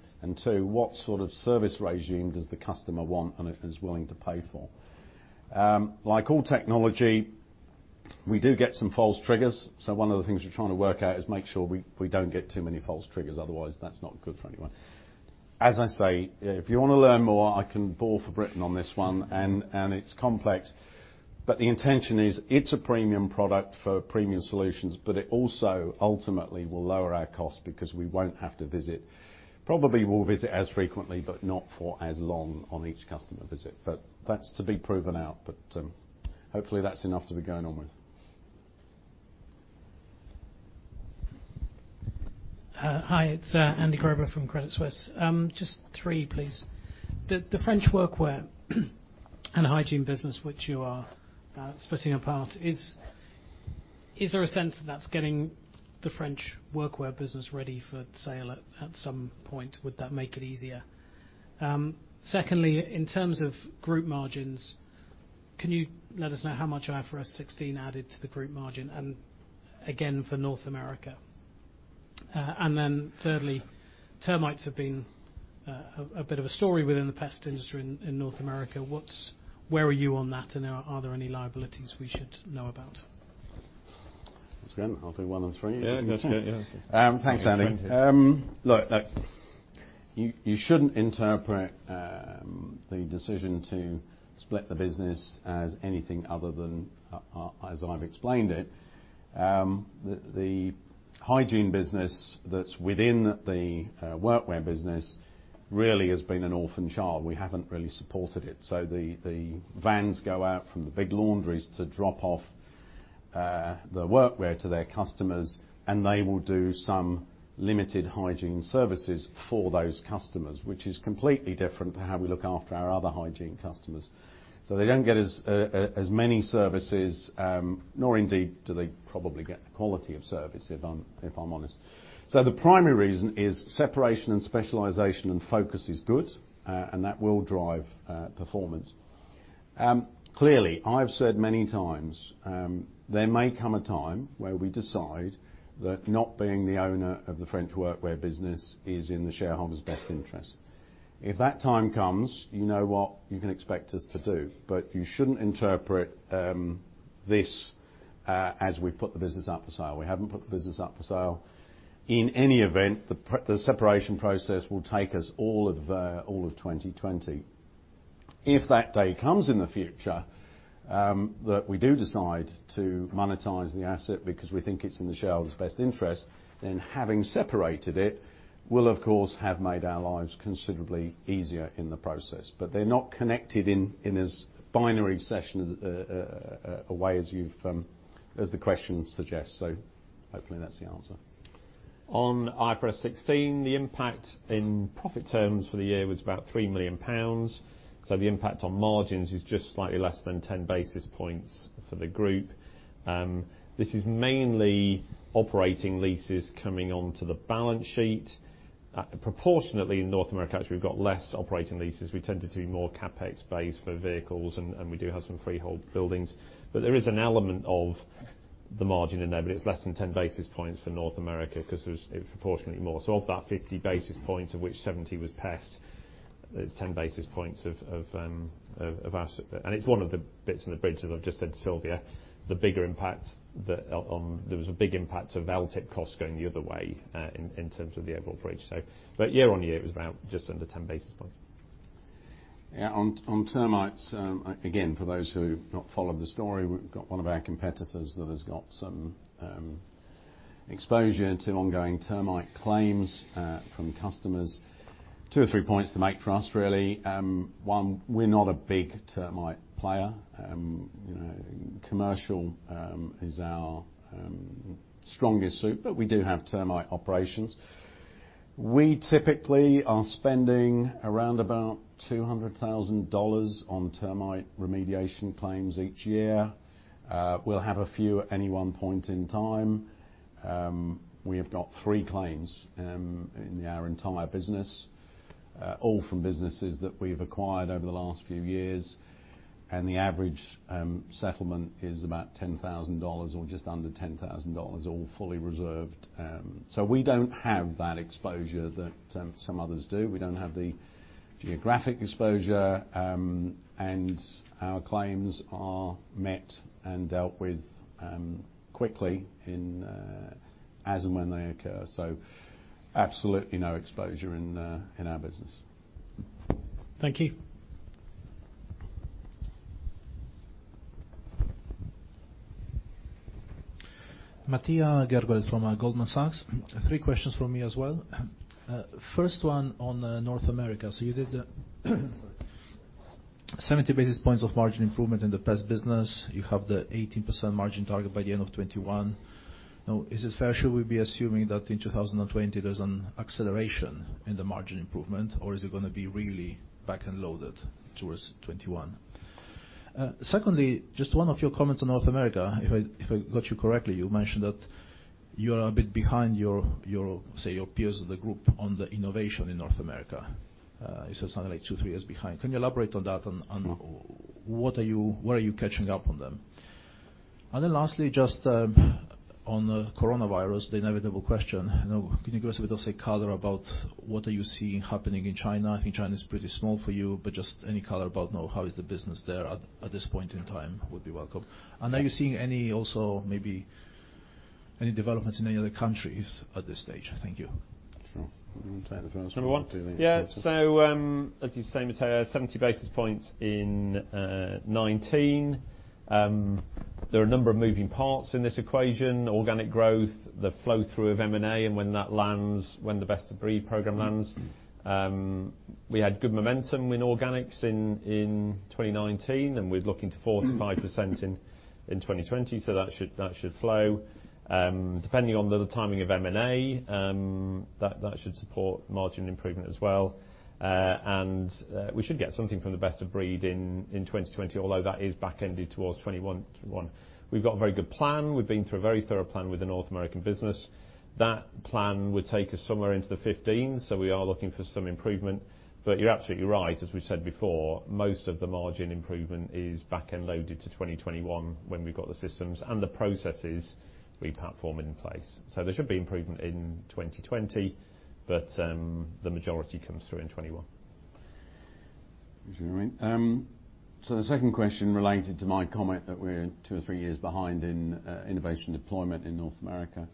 Two, what sort of service regime does the customer want and is willing to pay for? Like all technology, we do get some false triggers. One of the things we're trying to work out is make sure we don't get too many false triggers, otherwise that's not good for anyone. As I say, if you want to learn more, I can bore for Britain on this one. It's complex. The intention is it's a premium product for premium solutions, but it also ultimately will lower our cost because we won't have to visit. Probably will visit as frequently, but not for as long on each customer visit. That's to be proven out. Hopefully that's enough to be going on with. Hi, it's Andy Grobler from Credit Suisse. Just three, please. The French workwear and Hygiene business which you are splitting apart, is there a sense that that's getting the French workwear business ready for sale at some point? Would that make it easier? In terms of group margins, can you let us know how much IFRS 16 added to the group margin, and again, for North America? Thirdly, termites have been a bit of a story within the pest industry in North America. Where are you on that, and are there any liabilities we should know about? That's good. I'll do one of the three. Yeah, that's good. Yeah. Thanks, Andy. You shouldn't interpret the decision to split the business as anything other than as I've explained it. The Hygiene business that's within the Workwear business really has been an orphan child. We haven't really supported it. The vans go out from the big laundries to drop off the workwear to their customers, and they will do some limited Hygiene services for those customers, which is completely different to how we look after our other Hygiene customers. They don't get as many services, nor indeed do they probably get the quality of service, if I'm honest. The primary reason is separation and specialization and focus is good, and that will drive performance. Clearly, I've said many times, there may come a time where we decide that not being the owner of the French Workwear business is in the shareholders' best interest. If that time comes, you know what you can expect us to do. You shouldn't interpret this as we've put the business up for sale. We haven't put the business up for sale. In any event, the separation process will take us all of 2020. If that day comes in the future that we do decide to monetize the asset because we think it's in the shareholders' best interest, having separated it will, of course, have made our lives considerably easier in the process. They're not connected in as binary a way as the question suggests. Hopefully that's the answer. On IFRS 16, the impact in profit terms for the year was about 3 million pounds. The impact on margins is just slightly less than 10 basis points for the group. This is mainly operating leases coming onto the balance sheet. Proportionately, in North America, actually, we've got less operating leases. We tend to do more CapEx base for vehicles, and we do have some freehold buildings. There is an element of the margin in there, but it's less than 10 basis points for North America because there's proportionately more. Of that 50 basis points of which 70 was Pest, there's 10 basis points of ours. It's one of the bits in the bridge, as I've just said to Sylvia. There was a big impact of LTIP costs going the other way in terms of the overall bridge. Year on year, it was around just under 10 basis points. Yeah, on termites, again, for those who've not followed the story, we've got one of our competitors that has got some exposure to ongoing termite claims from customers. Two or three points to make for us, really. One, we're not a big termite player. Commercial is our strongest suit, but we do have termite operations. We typically are spending around about $200,000 on termite remediation claims each year. We'll have a few at any one point in time. We have got three claims in our entire business, all from businesses that we've acquired over the last few years. The average settlement is about $10,000 or just under $10,000, all fully reserved. We don't have that exposure that some others do. We don't have the geographic exposure. Our claims are met and dealt with quickly as and when they occur. Absolutely no exposure in our business. Thank you. Matija Gergolet from Goldman Sachs. Three questions from me as well. First one on North America. You did sorry, 70 basis points of margin improvement in the Pest business. You have the 18% margin target by the end of 2021. Is it fair, should we be assuming that in 2020 there's an acceleration in the margin improvement, or is it going to be really back-end loaded towards 2021? Secondly, just one of your comments on North America, if I got you correctly, you mentioned that you're a bit behind your, say, your peers of the group on the innovation in North America. Is that something like two, three years behind? Can you elaborate on that and on where are you catching up on them? Lastly, just on the coronavirus, the inevitable question. Can you give us a bit of, say, color about what are you seeing happening in China? I think China's pretty small for you, but just any color about how is the business there at this point in time would be welcome. Are you seeing any also maybe any developments in any other countries at this stage? Thank you. Sure. You want to take the first one? Number one? Yeah. As you say, Matija, 70 basis points in 2019. There are a number of moving parts in this equation, organic growth, the flow-through of M&A and when that lands, when the Best of Breed program lands. We had good momentum in organics in 2019, and we're looking to 4%-5% in 2020, that should flow. Depending on the timing of M&A, that should support margin improvement as well. We should get something from the Best of Breed in 2020, although that is back-ended towards 2021. We've got a very good plan. We've been through a very thorough plan with the North American business. That plan would take us somewhere into the 15%, we are looking for some improvement. You're absolutely right, as we said before, most of the margin improvement is back-end loaded to 2021 when we've got the systems and the processes replatform in place. There should be improvement in 2020, but the majority comes through in 2021. Do you want to come in? The second question related to my comment that we're two or three years behind in innovation deployment in North America.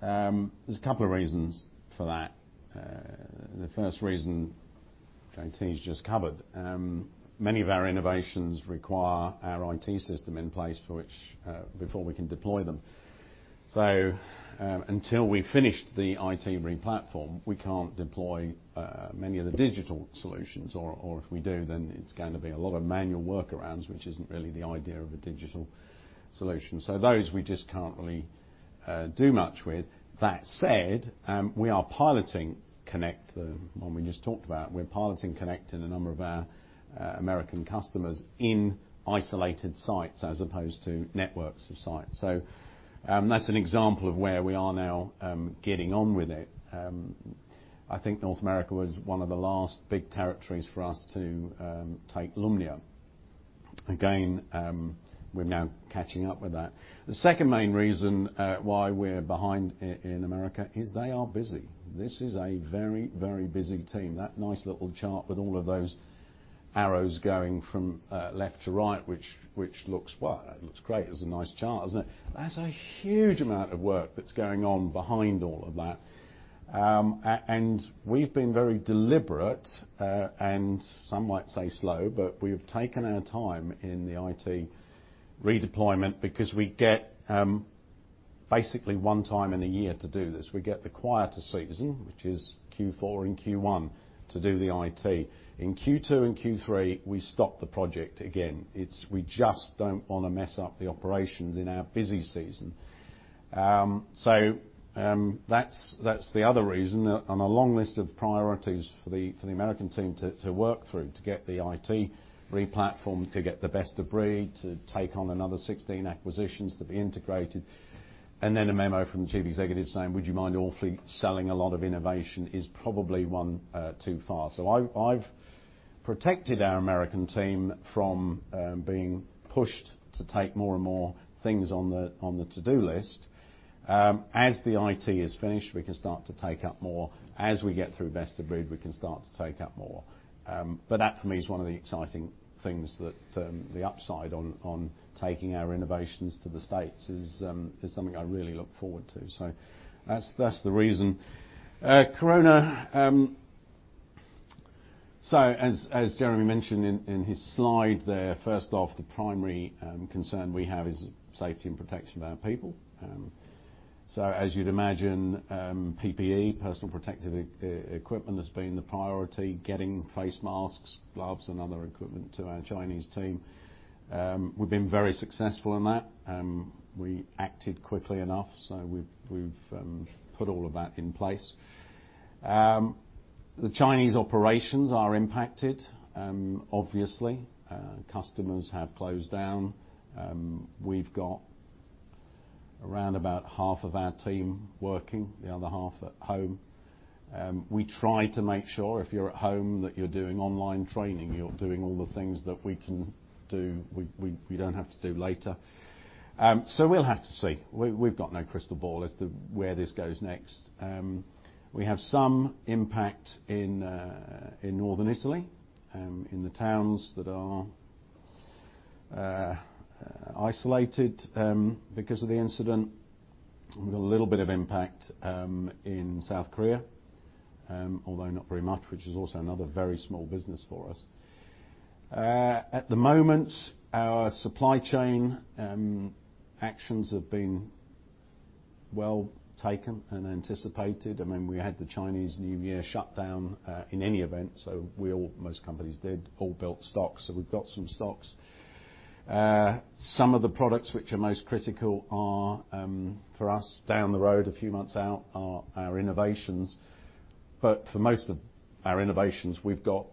There's a couple of reasons for that. The first reason J.T.'s just covered. Many of our innovations require our IT system in place before we can deploy them. Until we've finished the IT replatform, we can't deploy many of the digital solutions. If we do, then it's going to be a lot of manual workarounds, which isn't really the idea of a digital solution. Those we just can't really do much with. That said, we are piloting Connect, the one we just talked about. We're piloting Connect in a number of our American customers in isolated sites as opposed to networks of sites. That's an example of where we are now getting on with it. I think North America was one of the last big territories for us to take Lumnia. We're now catching up with that. The second main reason why we're behind in America is they are busy. This is a very, very busy team. That nice little chart with all of those arrows going from left to right, which looks great as a nice chart, isn't it? That's a huge amount of work that's going on behind all of that. We've been very deliberate, and some might say slow, but we've taken our time in the IT redeployment because we get basically one time in a year to do this. We get the quieter season, which is Q4 and Q1, to do the IT. In Q2 and Q3, we stop the project again. We just don't want to mess up the operations in our busy season. That's the other reason. On a long list of priorities for the U.S. team to work through to get the IT replatformed, to get the Best of Breed, to take on another 16 acquisitions to be integrated. Then a memo from the Chief Executive saying, "Would you mind awfully selling a lot of innovation?" is probably one too far. I've protected our U.S. team from being pushed to take more and more things on the to-do list. As the IT is finished, we can start to take up more. As we get through Best of Breed, we can start to take up more. That, for me, is one of the exciting things that the upside on taking our innovations to the U.S. is something I really look forward to. That's the reason. coronavirus. As Jeremy mentioned in his slide there, first off, the primary concern we have is safety and protection of our people. As you'd imagine, PPE, personal protective equipment, has been the priority, getting face masks, gloves, and other equipment to our Chinese team. We've been very successful in that. We acted quickly enough, we've put all of that in place. The Chinese operations are impacted. Obviously, customers have closed down. We've got around about half of our team working, the other half at home. We try to make sure if you're at home that you're doing online training, you're doing all the things that we don't have to do later. We'll have to see. We've got no crystal ball as to where this goes next. We have some impact in northern Italy, in the towns that are isolated because of the incident. We've got a little bit of impact in South Korea, although not very much, which is also another very small business for us. At the moment, our supply chain actions have been well taken and anticipated. We had the Chinese New Year shutdown, in any event. Most companies did, all built stocks. We've got some stocks. Some of the products which are most critical are, for us, down the road a few months out, are our innovations. For most of our innovations, we've got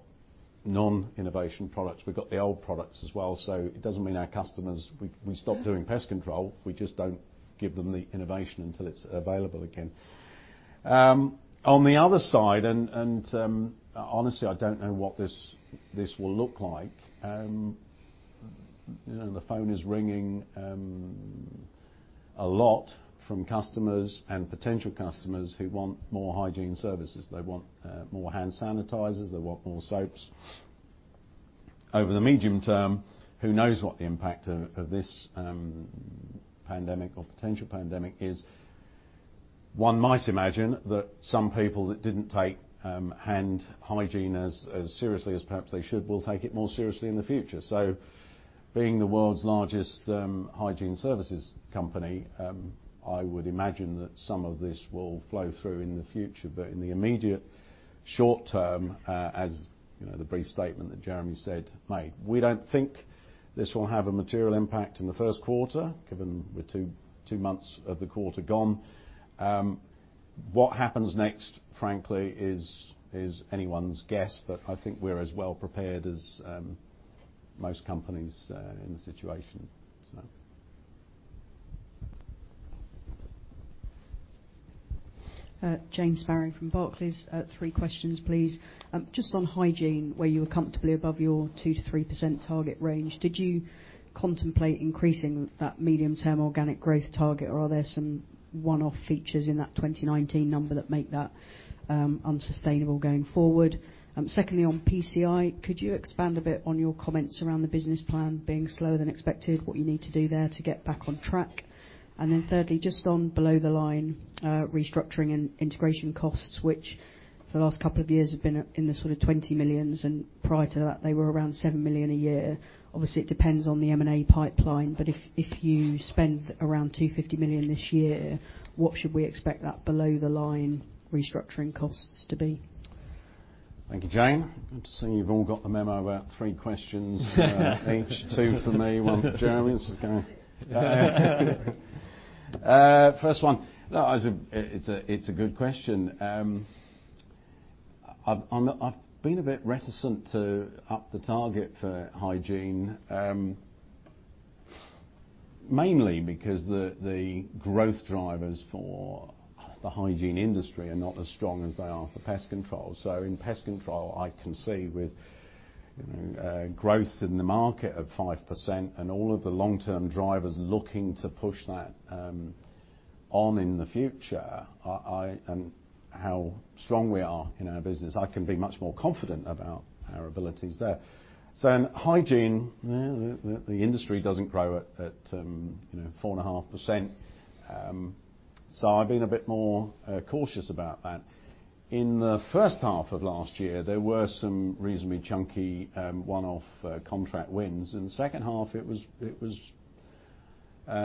non-innovation products. We've got the old products as well. It doesn't mean our customers, we stop doing Pest Control. We just don't give them the innovation until it's available again. On the other side, and honestly, I don't know what this will look like, the phone is ringing a lot from customers and potential customers who want more Hygiene services. They want more hand sanitizers. They want more soaps. Over the medium term, who knows what the impact of this pandemic or potential pandemic is. One might imagine that some people that didn't take hand hygiene as seriously as perhaps they should, will take it more seriously in the future. Being the world's largest Hygiene services company, I would imagine that some of this will flow through in the future. In the immediate short term, as the brief statement that Jeremy said, made, we don't think this will have a material impact in the first quarter, given we're two months of the quarter gone. What happens next, frankly, is anyone's guess, but I think we're as well prepared as most companies in the situation. Jane Sparrow from Barclays. Three questions, please. Just on Hygiene, where you were comfortably above your 2%-3% target range, did you contemplate increasing that medium-term organic growth target, or are there some one-off features in that 2019 number that make that unsustainable going forward? Secondly, on PCI, could you expand a bit on your comments around the business plan being slower than expected, what you need to do there to get back on track? Thirdly, just on below the line, restructuring and integration costs, which for the last couple of years have been in the sort of 20 million, and prior to that, they were around 7 million a year. Obviously, it depends on the M&A pipeline, but if you spend around 250 million this year, what should we expect that below the line restructuring costs to be? Thank you, Jane. Good to see you've all got the memo about three questions each. Two for me, one for Jeremy. It's okay. First one. It's a good question. I've been a bit reticent to up the target for Hygiene. Mainly because the growth drivers for the Hygiene industry are not as strong as they are for Pest Control. In Pest Control, I can see with growth in the market of 5% and all of the long-term drivers looking to push that on in the future, and how strong we are in our business, I can be much more confident about our abilities there. In Hygiene, the industry doesn't grow at 4.5%. I've been a bit more cautious about that. In the first half of last year, there were some reasonably chunky one-off contract wins. In the second half, it was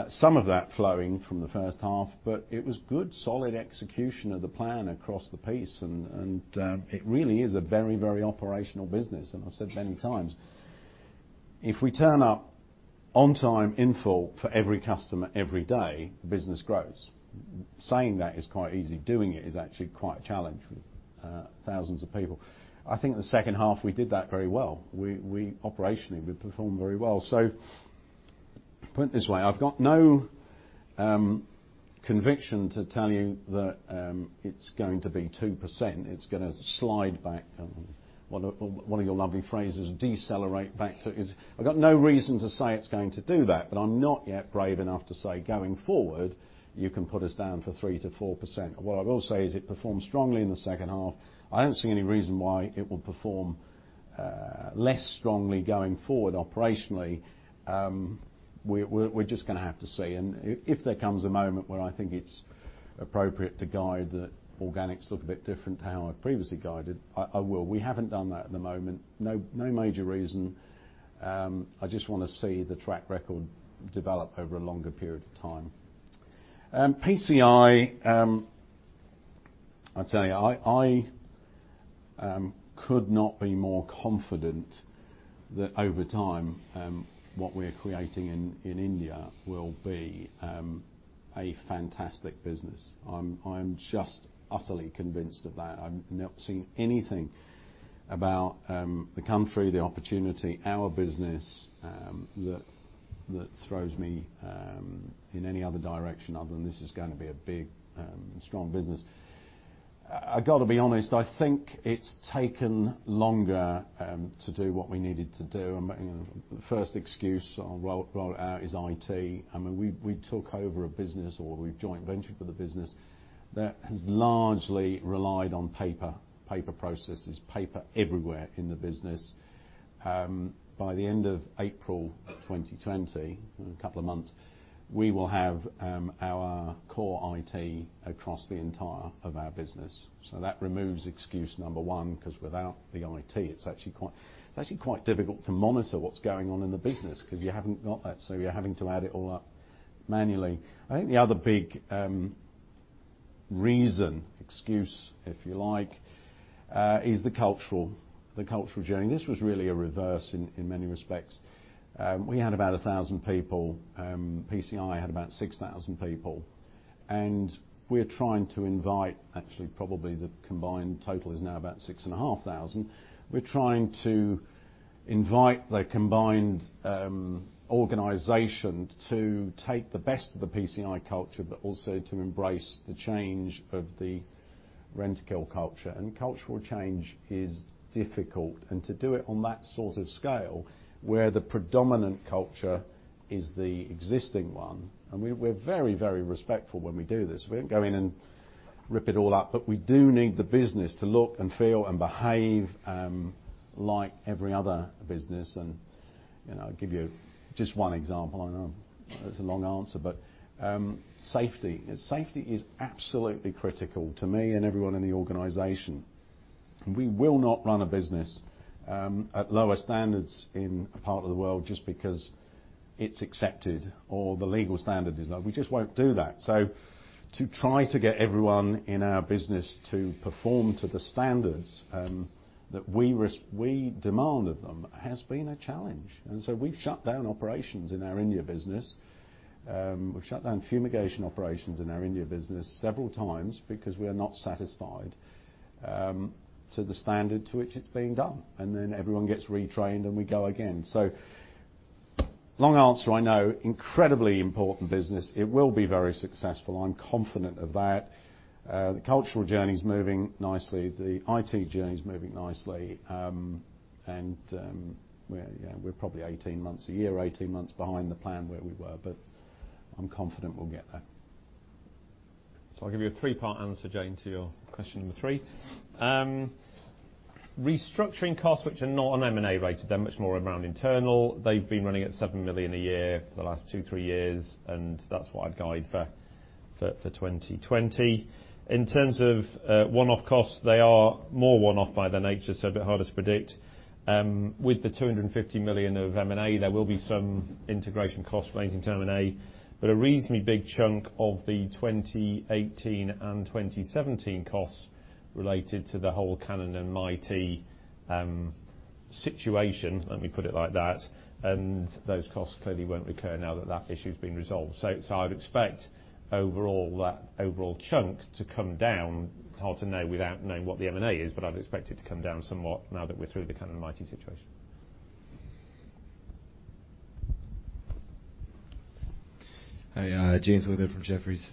some of that flowing from the first half, but it was good solid execution of the plan across the piece. It really is a very operational business, and I've said many times. If we turn up on time, in full, for every customer, every day, the business grows. Saying that is quite easy. Doing it is actually quite a challenge with thousands of people. I think the second half, we did that very well. Operationally, we performed very well. Put it this way, I've got no conviction to tell you that it's going to be 2%, it's going to slide back. One of your lovely phrases. I've got no reason to say it's going to do that, but I'm not yet brave enough to say, going forward, you can put us down for 3%-4%. What I will say is it performed strongly in the second half. I don't see any reason why it will perform less strongly going forward operationally. We're just going to have to see. If there comes a moment where I think it's appropriate to guide that organics look a bit different to how I've previously guided, I will. We haven't done that at the moment. No major reason. I just want to see the track record develop over a longer period of time. PCI, I tell you, I could not be more confident that over time, what we're creating in India will be a fantastic business. I'm just utterly convinced of that. I've not seen anything about the country, the opportunity, our business, that throws me in any other direction other than this is going to be a big, strong business. I got to be honest, I think it's taken longer to do what we needed to do. The first excuse is IT. I mean, we took over a business, or we joint ventured with a business that has largely relied on paper processes, paper everywhere in the business. By the end of April 2020, in a couple of months, we will have our core IT across the entire of our business. That removes excuse number 1, because without the IT, it's actually quite difficult to monitor what's going on in the business because you haven't got that, so you're having to add it all up manually. I think the other big reason, excuse if you like, is the cultural journey. This was really a reverse in many respects. We had about 1,000 people. PCI had about 6,000 people. We're trying to invite, actually, probably the combined total is now about 6,500. We're trying to invite the combined organization to take the best of the PCI culture, but also to embrace the change of the Rentokil culture. Cultural change is difficult. To do it on that sort of scale, where the predominant culture is the existing one, and we're very respectful when we do this. We don't go in and rip it all up, but we do need the business to look and feel and behave like every other business. I'll give you just one example. I know that's a long answer, but safety. Safety is absolutely critical to me and everyone in the organization. We will not run a business at lower standards in a part of the world just because it's accepted or the legal standard is low. We just won't do that. To try to get everyone in our business to perform to the standards that we demand of them has been a challenge. We've shut down operations in our India business. We've shut down fumigation operations in our India business several times because we are not satisfied to the standard to which it's being done. Everyone gets retrained and we go again. Long answer, I know. Incredibly important business. It will be very successful. I'm confident of that. The cultural journey is moving nicely. The IT journey is moving nicely. We're probably 18 months, a year, 18 months behind the plan where we were, but I'm confident we'll get there. I'll give you a three-part answer, Jane, to your question number 3. Restructuring costs, which are not on M&A related, they're much more around internal. They've been running at 7 million a year for the last two, three years, and that's what I'd guide for 2020. In terms of one-off costs, they are more one-off by their nature, so a bit harder to predict. With the 250 million of M&A, there will be some integration costs relating to M&A, but a reasonably big chunk of the 2018 and 2017 costs related to the whole Cannon and Mitie situation, let me put it like that, and those costs clearly won't recur now that that issue's been resolved. I'd expect overall chunk to come down. It's hard to know without knowing what the M&A is, but I'd expect it to come down somewhat now that we're through the Cannon and Mitie situation. Hi, James Gilbert from Jefferies.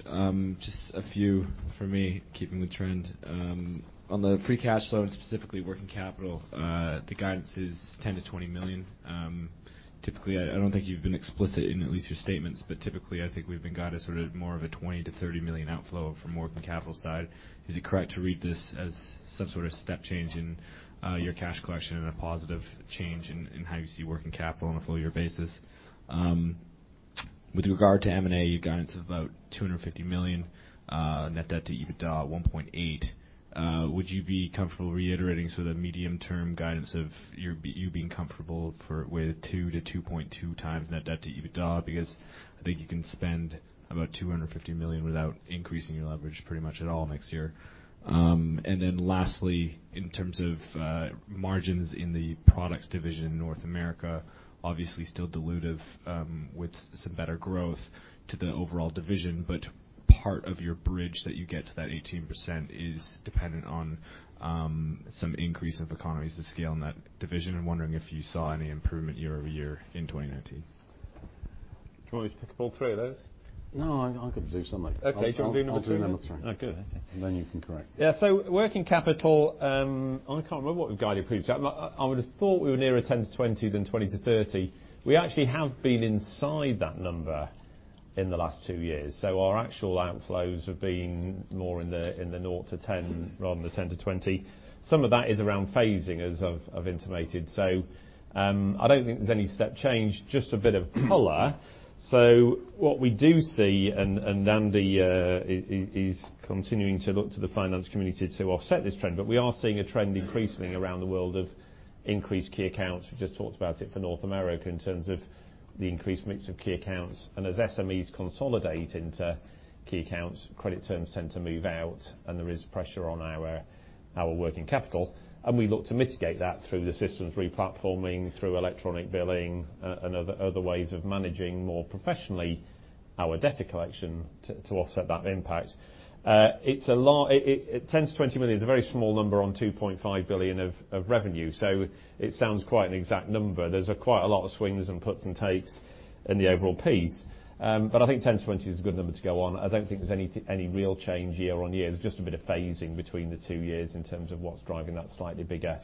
Just a few from me, keeping the trend. On the free cash flow and specifically working capital, the guidance is 10 million-20 million. I don't think you've been explicit in at least your statements, typically I think we've been guided sort of more of a 20 million-30 million outflow from working capital side. Is it correct to read this as some sort of step change in your cash collection and a positive change in how you see working capital on a full year basis? With regard to M&A, your guidance is about 250 million net debt to EBITDA at 1.8x. Would you be comfortable reiterating sort of medium term guidance of you being comfortable with 2x-2.2x net debt to EBITDA? I think you can spend about 250 million without increasing your leverage pretty much at all next year. Lastly, in terms of margins in the products division, North America obviously still dilutive with some better growth to the overall division part of your bridge that you get to that 18% is dependent on some increase of economies to scale in that division. I'm wondering if you saw any improvement year-over-year in 2019. Do you want me to pick up all three of those? No, I could do some. Okay. Do you want to do number 2, then? I'll do number three. Okay. Then you can correct. Yeah. Working capital, I can't remember what we've guided previously. I would have thought we were nearer 10 million-20 million than 20 million-30 million. We actually have been inside that number in the last two years. Our actual outflows have been more in the naught to 10 million rather than the 10 million-20 million. Some of that is around phasing, as I've intimated. I don't think there's any step change, just a bit of color. What we do see, and Andy is continuing to look to the finance community to offset this trend, but we are seeing a trend increasingly around the world of increased key accounts. We've just talked about it for North America in terms of the increased mix of key accounts, and as SMEs consolidate into key accounts, credit terms tend to move out and there is pressure on our working capital, and we look to mitigate that through the systems replatforming, through electronic billing, and other ways of managing more professionally our debtor collection to offset that impact. 10 million-20 million is a very small number on 2.5 billion of revenue. It sounds quite an exact number. There's quite a lot of swings and puts and takes in the overall piece. I think 10 million-20 million is a good number to go on. I don't think there's any real change year-on-year. There's just a bit of phasing between the two years in terms of what's driving that slightly bigger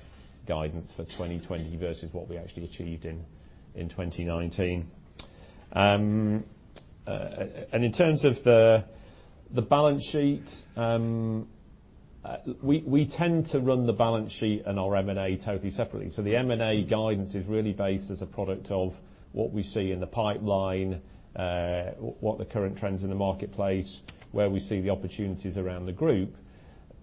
guidance for 2020 versus what we actually achieved in 2019. In terms of the balance sheet, we tend to run the balance sheet and our M&A totally separately. The M&A guidance is really based as a product of what we see in the pipeline, what the current trends in the marketplace, where we see the opportunities around the group.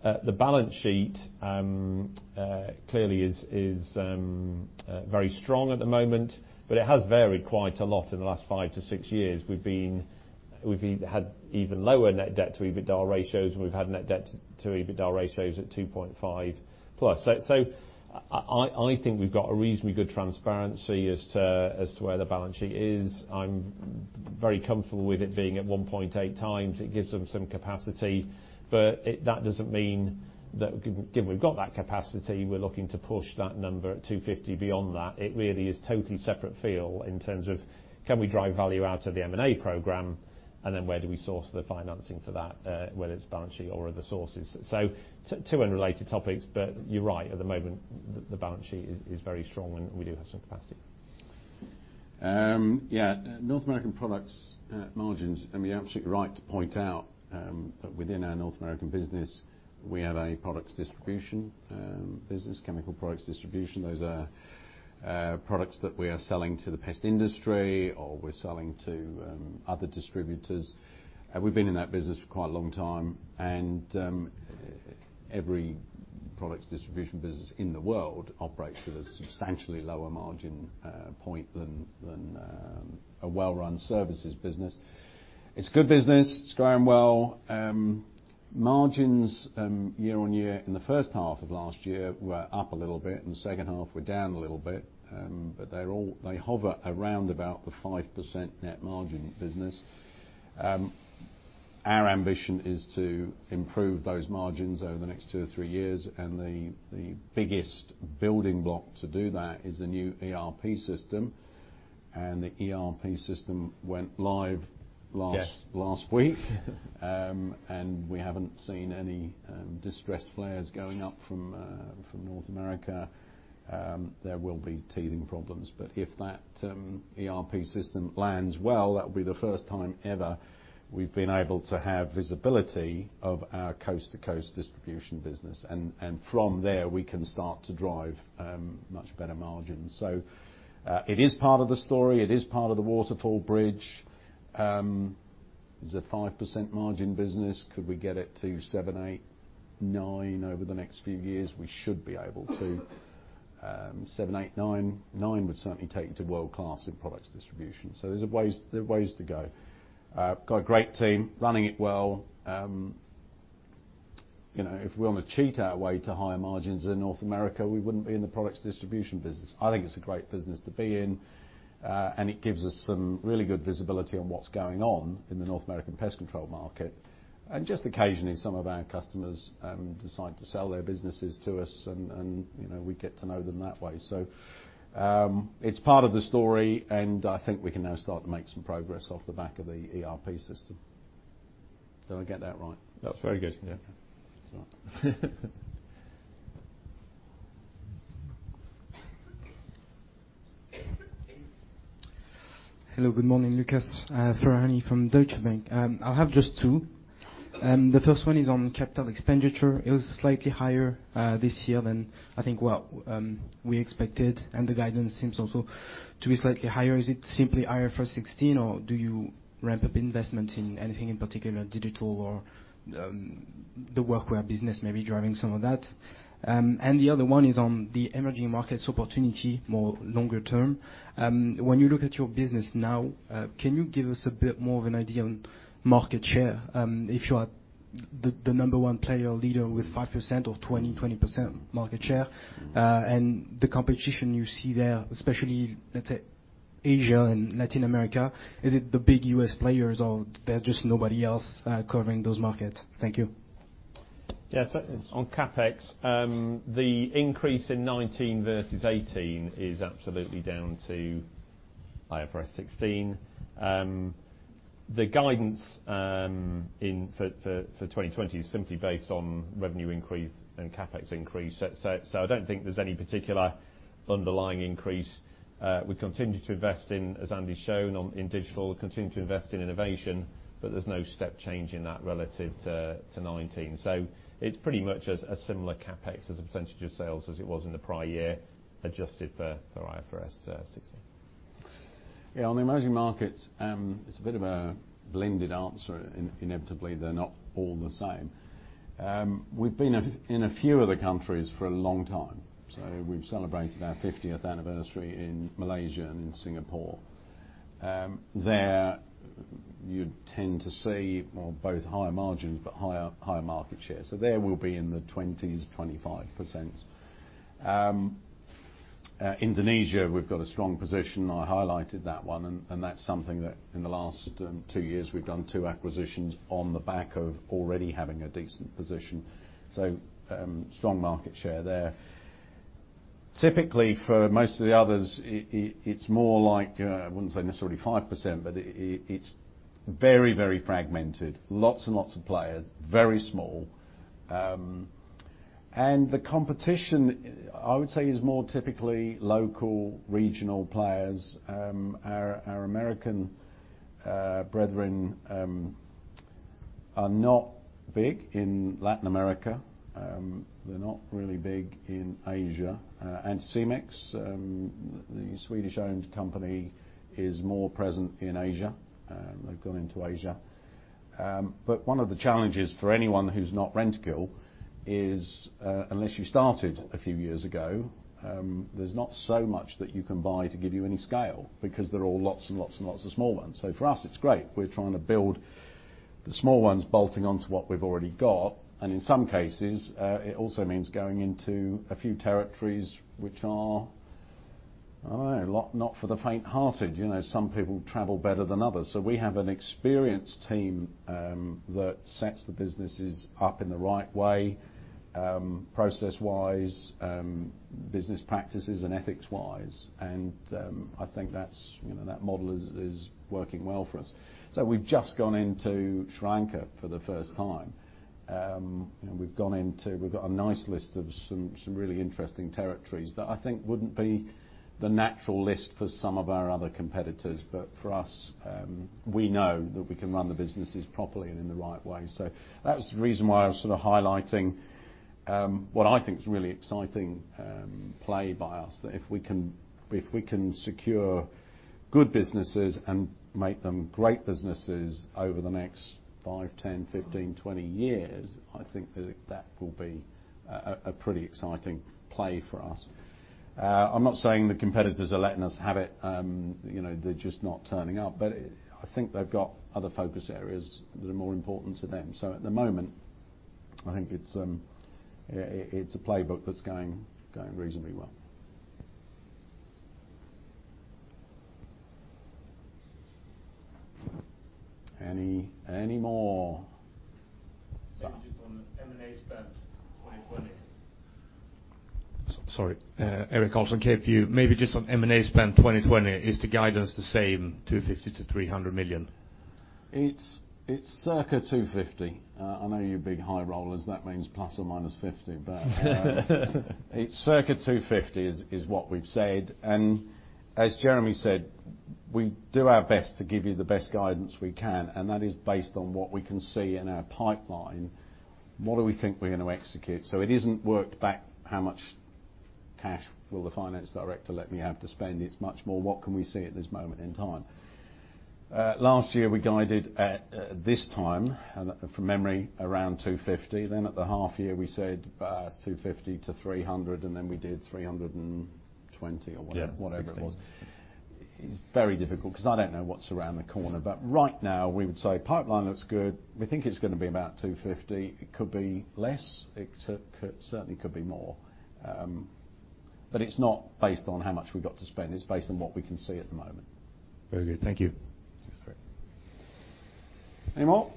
The balance sheet clearly is very strong at the moment, but it has varied quite a lot in the last 5-6 years. We've had even lower net debt to EBITDA ratios. We've had net debt to EBITDA ratios at 2.5x+. I think we've got a reasonably good transparency as to where the balance sheet is. I'm very comfortable with it being at 1.8x. It gives them some capacity, that doesn't mean that given we've got that capacity, we're looking to push that number at 250 million beyond that. It really is totally separate feel in terms of can we drive value out of the M&A program, and then where do we source the financing for that, whether it's balance sheet or other sources. Two unrelated topics, but you're right. At the moment, the balance sheet is very strong, and we do have some capacity. North American products margins, you're absolutely right to point out that within our North American business, we have a products distribution business, chemical products distribution. Those are products that we are selling to the pest industry, we're selling to other distributors. We've been in that business for quite a long time, every products distribution business in the world operates at a substantially lower margin point than a well-run services business. It's a good business. It's growing well. Margins year-over-year in the first half of last year were up a little bit, the second half were down a little bit. They hover around about the 5% net margin business. Our ambition is to improve those margins over the next two or three years, and the biggest building block to do that is the new ERP system, and the ERP system went live last- Yes. ...last week. We haven't seen any distress flares going up from North America. There will be teething problems, but if that ERP system lands well, that will be the first time ever we've been able to have visibility of our coast-to-coast distribution business. From there, we can start to drive much better margins. It is part of the story. It is part of the waterfall bridge. It's a 5% margin business. Could we get it to 7%, 8%, 9% over the next few years? We should be able to. 7%, 8%, 9%. 9% would certainly take it to world-class in products distribution. There's a ways to go. Got a great team running it well. If we want to cheat our way to higher margins in North America, we wouldn't be in the products distribution business. I think it's a great business to be in, and it gives us some really good visibility on what's going on in the North American Pest Control market. Just occasionally, some of our customers decide to sell their businesses to us, and we get to know them that way. It's part of the story, and I think we can now start to make some progress off the back of the ERP system. Did I get that right? That's very good. Yeah. It's all right. Hello, good morning. Lucas Ferhani from Deutsche Bank. I have just two. The first one is on capital expenditure. It was slightly higher this year than I think what we expected. The guidance seems also to be slightly higher. Is it simply IFRS 16? Do you ramp up investment in anything in particular, digital or the Workwear business may be driving some of that? The other one is on the emerging markets opportunity, more longer term. When you look at your business now, can you give us a bit more of an idea on market share? If you are the number one player or leader with 5% or 20% market share? The competition you see there, especially, let's say Asia and Latin America. Is it the big U.S. players? There's just nobody else covering those markets? Thank you. Yes. The increase in 2019 versus 2018 is absolutely down to IFRS 16. The guidance for 2020 is simply based on revenue increase and CapEx increase. I don't think there's any particular underlying increase. We continue to invest in, as Andy's shown, in digital. We continue to invest in innovation, there's no step change in that relative to 2019. It's pretty much a similar CapEx as a percentage of sales as it was in the prior year, adjusted for IFRS 16. On the emerging markets, it is a bit of a blended answer. Inevitably, they are not all the same. We have been in a few of the countries for a long time, so we have celebrated our 50th anniversary in Malaysia and in Singapore. There we will be in the 20s%, 25%. Indonesia, we have got a strong position. I highlighted that one, and that is something that in the last two years we have done two acquisitions on the back of already having a decent position. Strong market share there. Typically, for most of the others, it is more like, I would not say necessarily 5%, but it is very fragmented. Lots and lots of players, very small. The competition, I would say, is more typically local regional players. Our American brethren are not big in Latin America. They are not really big in Asia. Anticimex, the Swedish-owned company, is more present in Asia. They've gone into Asia. One of the challenges for anyone who's not Rentokil is, unless you started a few years ago, there's not so much that you can buy to give you any scale because they're all lots and lots and lots of small ones. For us it's great. We're trying to build the small ones bolting onto what we've already got. In some cases, it also means going into a few territories which are not for the faint-hearted. Some people travel better than others. We have an experienced team that sets the businesses up in the right way, process-wise, business practices, and ethics-wise. I think that model is working well for us. We've just gone into Sri Lanka for the first time. We've got a nice list of some really interesting territories that I think wouldn't be the natural list for some of our other competitors. For us, we know that we can run the businesses properly and in the right way. That was the reason why I was sort of highlighting what I think is a really exciting play by us. That if we can secure good businesses and make them great businesses over the next five, 10, 15, 20 years, I think that will be a pretty exciting play for us. I'm not saying the competitors are letting us have it, they're just not turning up. I think they've got other focus areas that are more important to them. At the moment, I think it's a playbook that's going reasonably well. Any more? Maybe just on the M&A spend 2020. Sorry. Erik Karlsson, CapeView. Maybe just on M&A spend 2020. Is the guidance the same, 250 million-300 million? It's circa 250 million. I know you big high rollers, that means ±50 million, but it's circa 250 million is what we've said. As Jeremy said, we do our best to give you the best guidance we can, and that is based on what we can see in our pipeline. What do we think we're going to execute? It isn't worked back how much cash will the finance director let me have to spend? It's much more what can we see at this moment in time. Last year, we guided at this time, from memory, around 250 million. At the half year we said 250 million-300 million, and then we did 320 million or whatever it was. It's very difficult because I don't know what's around the corner. Right now, we would say pipeline looks good. We think it's going to be about 250. It could be less. It certainly could be more. It's not based on how much we've got to spend. It's based on what we can see at the moment. Very good. Thank you. That's all right. Any more?